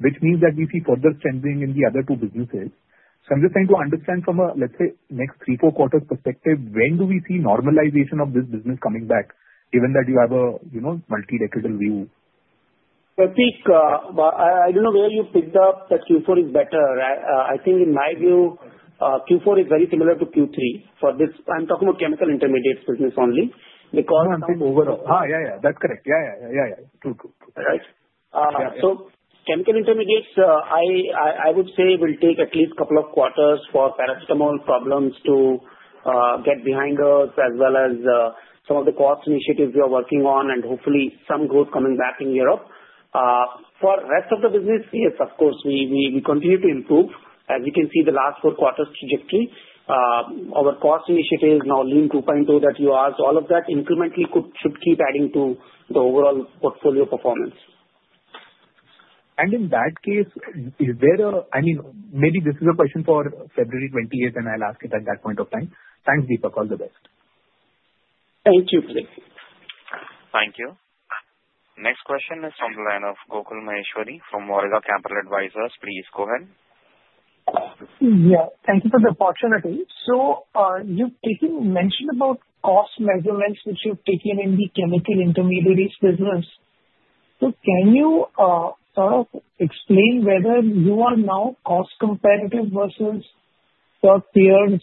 which means that we see further strengthening in the other two businesses. So I'm just trying to understand from a, let's say, next three, four quarters perspective, when do we see normalization of this business coming back, given that you have a multi-decade view? Prateek, I don't know where you picked up that Q4 is better. I think in my view, Q4 is very similar to Q3. I'm talking about chemical intermediates business only because. Oh, I'm sorry. Overall, yeah. That's correct. Yeah. True. Right? So, chemical intermediates, I would say, will take at least a couple of quarters for Paracetamol problems to get behind us, as well as some of the cost initiatives we are working on, and hopefully some growth coming back in Europe. For the rest of the business, yes, of course, we continue to improve. As you can see, the last four quarters' trajectory, our cost initiatives, now DEEM 2.0 that you asked, all of that incrementally should keep adding to the overall portfolio performance. In that case, is there a? I mean, maybe this is a question for February 28th, and I'll ask it at that point of time. Thanks, Deepak. All the best. Thank you, Prateek. Thank you. Next question is from the line of Gokul Maheshwari from Awriga Capital Advisors. Please go ahead. Yeah. Thank you for the opportunity. So you've mentioned about cost measures which you've taken in the chemical intermediates business. So can you sort of explain whether you are now cost-competitive versus your peers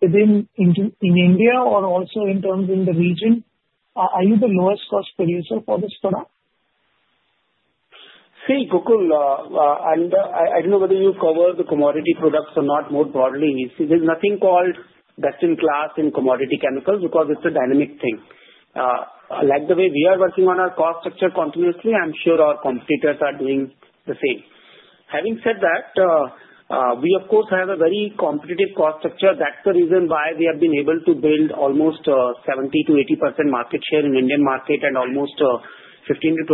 in India or also in terms of the region? Are you the lowest cost producer for this product? See, Gokul, and I don't know whether you cover the commodity products or not more broadly. There's nothing called best in class in commodity chemicals because it's a dynamic thing. Like the way we are working on our cost structure continuously, I'm sure our competitors are doing the same. Having said that, we, of course, have a very competitive cost structure. That's the reason why we have been able to build almost 70%-80% market share in the Indian market and almost 15%-20%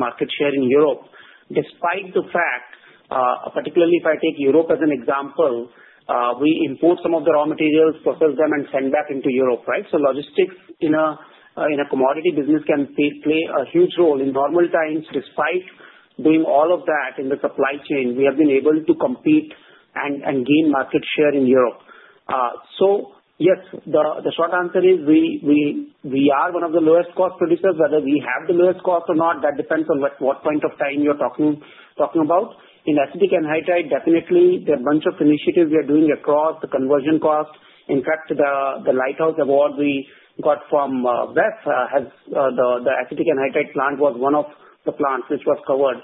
market share in Europe, despite the fact, particularly if I take Europe as an example, we import some of the raw materials, process them, and send back into Europe, right? So logistics in a commodity business can play a huge role in normal times. Despite doing all of that in the supply chain, we have been able to compete and gain market share in Europe. So yes, the short answer is we are one of the lowest cost producers. Whether we have the lowest cost or not, that depends on what point of time you're talking about. In acetic anhydride, definitely, there are a bunch of initiatives we are doing across the conversion cost. In fact, the lighthouse award we got from WEF, the acetic anhydride plant was one of the plants which was covered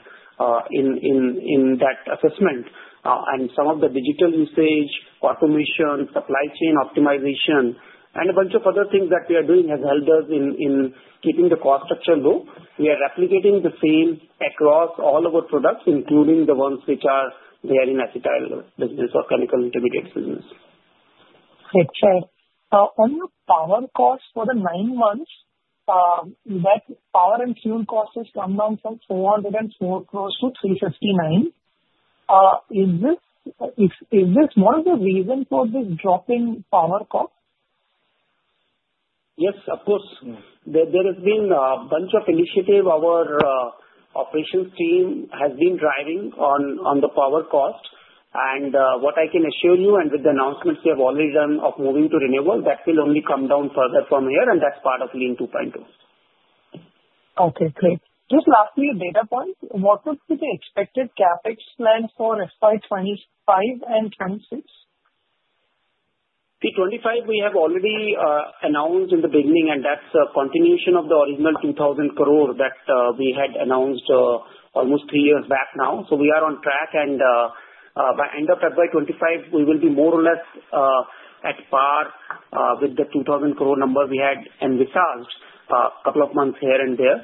in that assessment. And some of the digital usage, automation, supply chain optimization, and a bunch of other things that we are doing have helped us in keeping the cost structure low. We are replicating the same across all of our products, including the ones which are there in acetyls business or chemical intermediates business. Okay. On the power cost for the nine months, that power and fuel cost has come down from 404 crores to 359. Is this one of the reasons for this drop in power cost? Yes, of course. There has been a bunch of initiatives our operations team has been driving on the power cost. And what I can assure you, and with the announcements we have already done of moving to renewable, that will only come down further from here, and that's part of DEEM 2.0. Okay. Great. Just lastly, a data point. What would be the expected CapEx plan for FY 2025 and FY 2026? FY 2025, we have already announced in the beginning, and that's a continuation of the original 2,000 crore that we had announced almost three years back now. So we are on track, and by end of FY 2025, we will be more or less at par with the 2,000 crore number we had and we are ahead a couple of months here and there.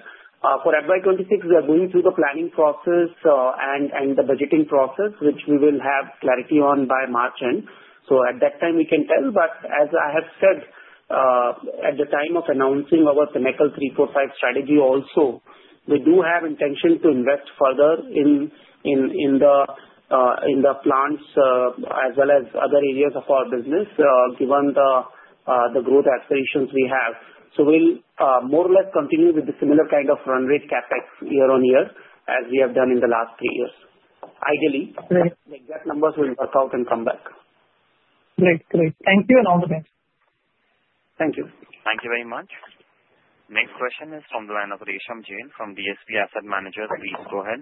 For FY 2026, we are going through the planning process and the budgeting process, which we will have clarity on by March end. So at that time, we can tell. But as I have said, at the time of announcing our FinExcel 345 strategy also, we do have intention to invest further in the plants as well as other areas of our business, given the growth expectations we have. So we'll more or less continue with the similar kind of run rate CapEx year on year as we have done in the last three years. Ideally, the exact numbers will work out and come back. Great. Great. Thank you, and all the best. Thank you. Thank you very much. Next question is from the line of Rishabh Jain from DSP Asset Managers. Please go ahead.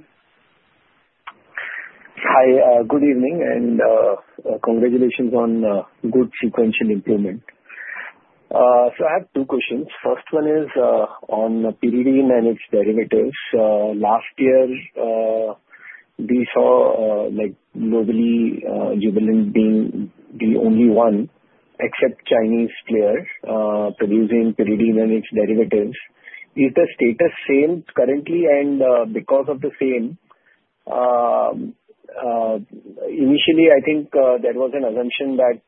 Hi. Good evening, and congratulations on good sequential improvement. So I have two questions. First one is on pyridine and derivatives. Last year, we saw globally Jubilant being the only one, except Chinese players, producing pyridine and derivatives. Is the status same currently? And because of the same, initially, I think there was an assumption that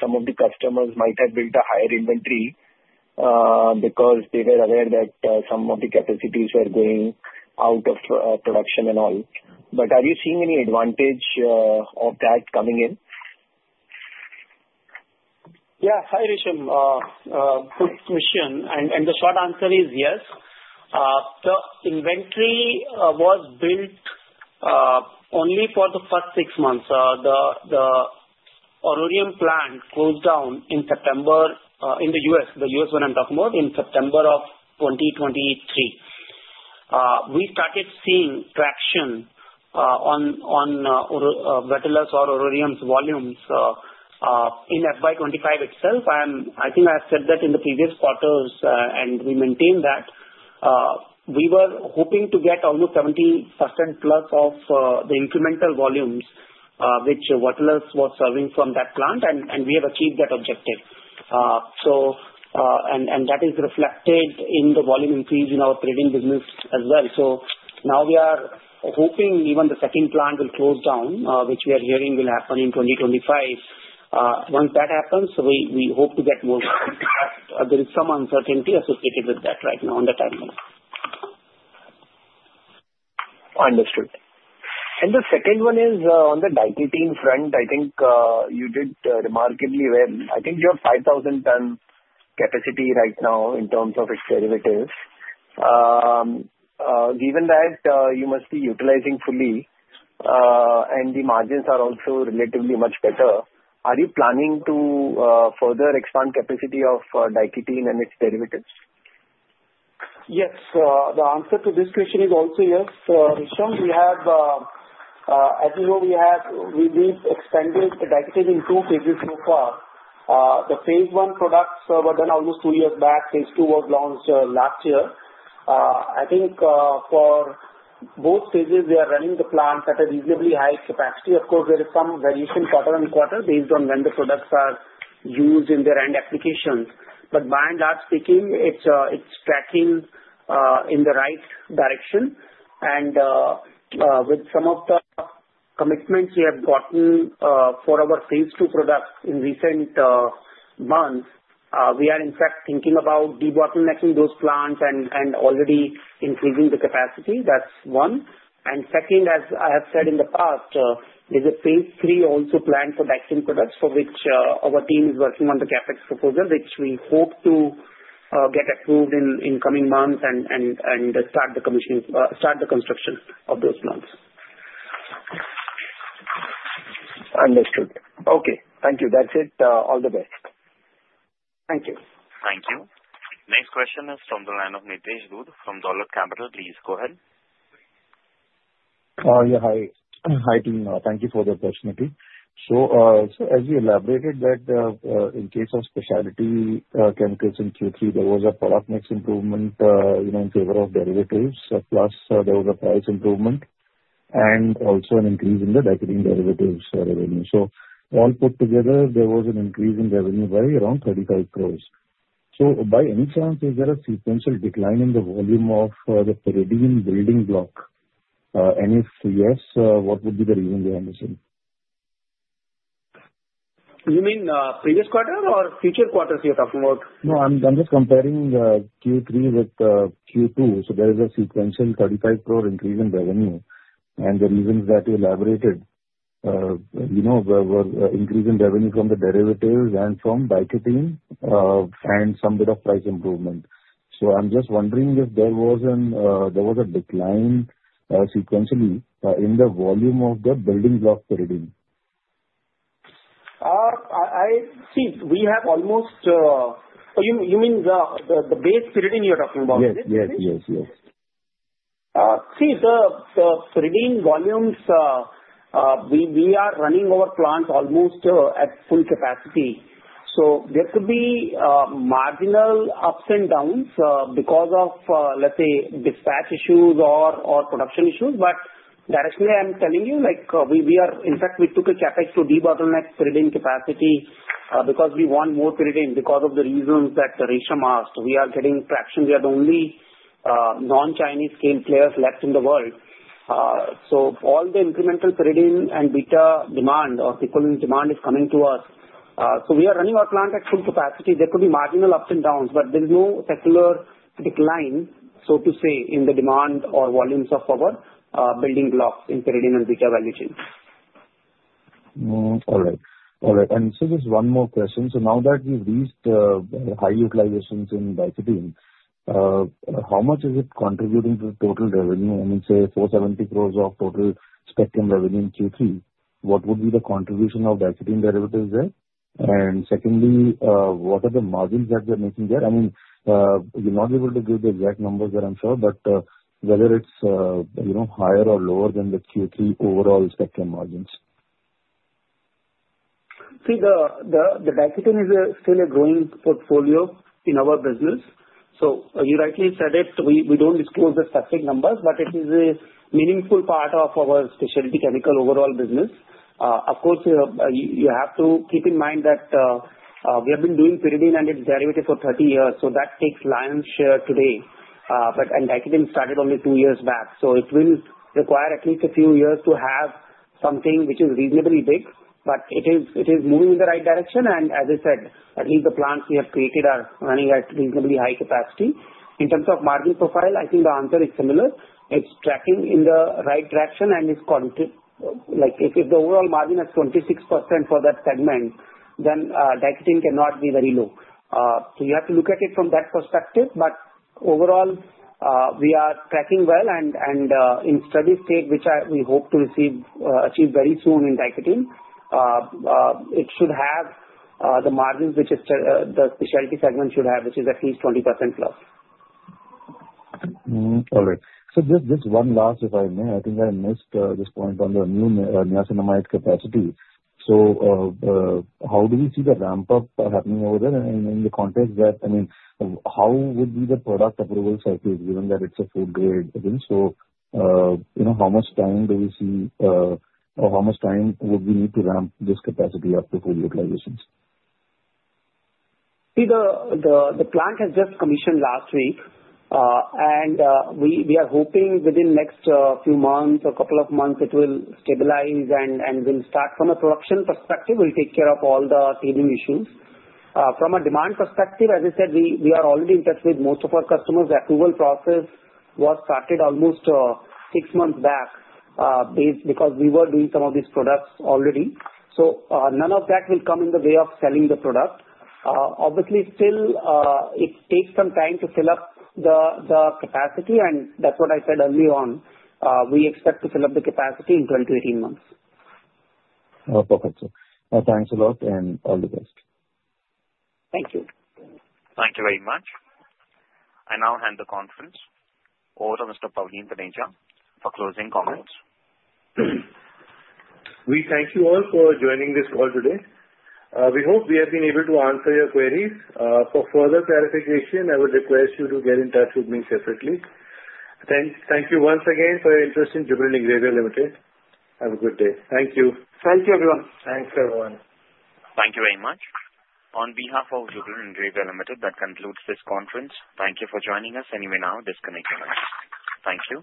some of the customers might have built a higher inventory because they were aware that some of the capacities were going out of production and all. But are you seeing any advantage of that coming in? Yeah. Hi, Rishabh. Good question. And the short answer is yes. The inventory was built only for the first six months. The Aurorium plant closed down in September in the U.S., the U.S. one I'm talking about, in September of 2023. We started seeing traction on Vertellus or Aurorium's volumes in FY 2025 itself. And I think I have said that in the previous quarters, and we maintain that. We were hoping to get almost 70% plus of the incremental volumes which Vertellus was serving from that plant, and we have achieved that objective. And that is reflected in the volume increase in our trading business as well. So now we are hoping even the second plant will close down, which we are hearing will happen in 2025. Once that happens, we hope to get more. There is some uncertainty associated with that right now on the timeline. Understood. And the second one is on the diketene front. I think you did remarkably well. I think you have 5,000-ton capacity right now in terms of its derivatives. Given that you must be utilizing fully, and the margins are also relatively much better, are you planning to further expand capacity of diketene and its derivatives? Yes. The answer to this question is also yes. Rishabh, as you know, we have really expanded the diketene in two phases so far. The phase one products were done almost two years back. Phase two was launched last year. I think for both phases, we are running the plant at a reasonably high capacity. Of course, there is some variation quarter on quarter based on when the products are used in their end application. But by and large, speaking, it's tracking in the right direction. And with some of the commitments we have gotten for our phase two products in recent months, we are, in fact, thinking about de-bottlenecking those plants and already increasing the capacity. That's one. Second, as I have said in the past, there's a phase three also planned for diketene products for which our team is working on the CapEx proposal, which we hope to get approved in coming months and start the construction of those plants. Understood. Okay. Thank you. That's it. All the best. Thank you. Thank you. Next question is from the line of Nitesh Dhoot from Dolat Capital. Please go ahead. Yeah. Hi. Hi, team. Thank you for the opportunity. So as you elaborated that in case of specialty chemicals in Q3, there was a product mix improvement in favor of derivatives, plus there was a price improvement, and also an increase in the diketene derivatives revenue. So all put together, there was an increase in revenue by around 35 crore. So by any chance, is there a sequential decline in the volume of the Pyridine-based building block? And if yes, what would be the reason behind this? You mean previous quarter or future quarters you're talking about? No, I'm just comparing Q3 with Q2. So there is a sequential 35 crore increase in revenue. And the reasons that you elaborated were increase in revenue from the derivatives and from diketene and some bit of price improvement. So I'm just wondering if there was a decline sequentially in the volume of the building block PDD. See, we have almost, you mean the base PDD you're talking about, right? Yes, yes, yes, yes. See, the PDD-managed building volumes, we are running our plants almost at full capacity. So there could be marginal ups and downs because of, let's say, dispatch issues or production issues. But directly, I'm telling you, in fact, we took a CapEx to de-bottleneck PDD-managed building capacity because we want more PDD-managed building because of the reasons that Rishabh asked. We are getting traction. We are the only non-Chinese scale players left in the world. So all the incremental PDD-managed building demand or equivalent demand is coming to us. So we are running our plant at full capacity. There could be marginal ups and downs, but there's no secular decline, so to say, in the demand or volumes of our building blocks in PDD-managed building value chain. All right. All right. And so just one more question. So now that we've reached high utilizations in diketene, how much is it contributing to the total revenue? I mean, say, 470 crores of total specialty revenue in Q3. What would be the contribution of diketene derivatives there? And secondly, what are the margins that they're making there? I mean, you're not able to give the exact numbers, I'm sure, but whether it's higher or lower than the Q3 overall specialty margins. See, the Diketene is still a growing portfolio in our business. So you rightly said it. We don't disclose the specific numbers, but it is a meaningful part of our specialty chemicals overall business. Of course, you have to keep in mind that we have been doing Pyridine derivatives for 30 years, so that takes lion's share today. And Diketene started only two years back. So it will require at least a few years to have something which is reasonably big, but it is moving in the right direction. And as I said, at least the plants we have created are running at reasonably high capacity. In terms of margin profile, I think the answer is similar. It's tracking in the right direction, and if the overall margin is 26% for that segment, then Diketene cannot be very low. So you have to look at it from that perspective. But overall, we are tracking well, and in steady state, which we hope to achieve very soon in diketene, it should have the margins which the specialty segment should have, which is at least 20% plus. All right. So just one last, if I may, I think I missed this point on the new Niacinamide capacity. So how do we see the ramp-up happening over there in the context that, I mean, how would be the product approval cycle given that it's a food-grade? So how much time do we see? How much time would we need to ramp this capacity up to full utilizations? See, the plant has just commissioned last week, and we are hoping within the next few months or a couple of months, it will stabilize and will start. From a production perspective, we'll take care of all the teething issues. From a demand perspective, as I said, we are already in touch with most of our customers. The approval process was started almost six months back because we were doing some of these products already. So none of that will come in the way of selling the product. Obviously, still, it takes some time to fill up the capacity, and that's what I said early on. We expect to fill up the capacity in 12-18 months. Perfect. Thanks a lot, and all the best. Thank you. Thank you very much. I now hand the conference over to Mr. Pavleen Taneja for closing comments. We thank you all for joining this call today. We hope we have been able to answer your queries. For further clarification, I would request you to get in touch with me separately. Thank you once again for your interest in Jubilant Ingrevia Limited. Have a good day. Thank you. Thank you, everyone. Thanks, everyone. Thank you very much. On behalf of Jubilant Ingrevia Limited, that concludes this conference. Thank you for joining us. Anyway, now disconnecting us. Thank you.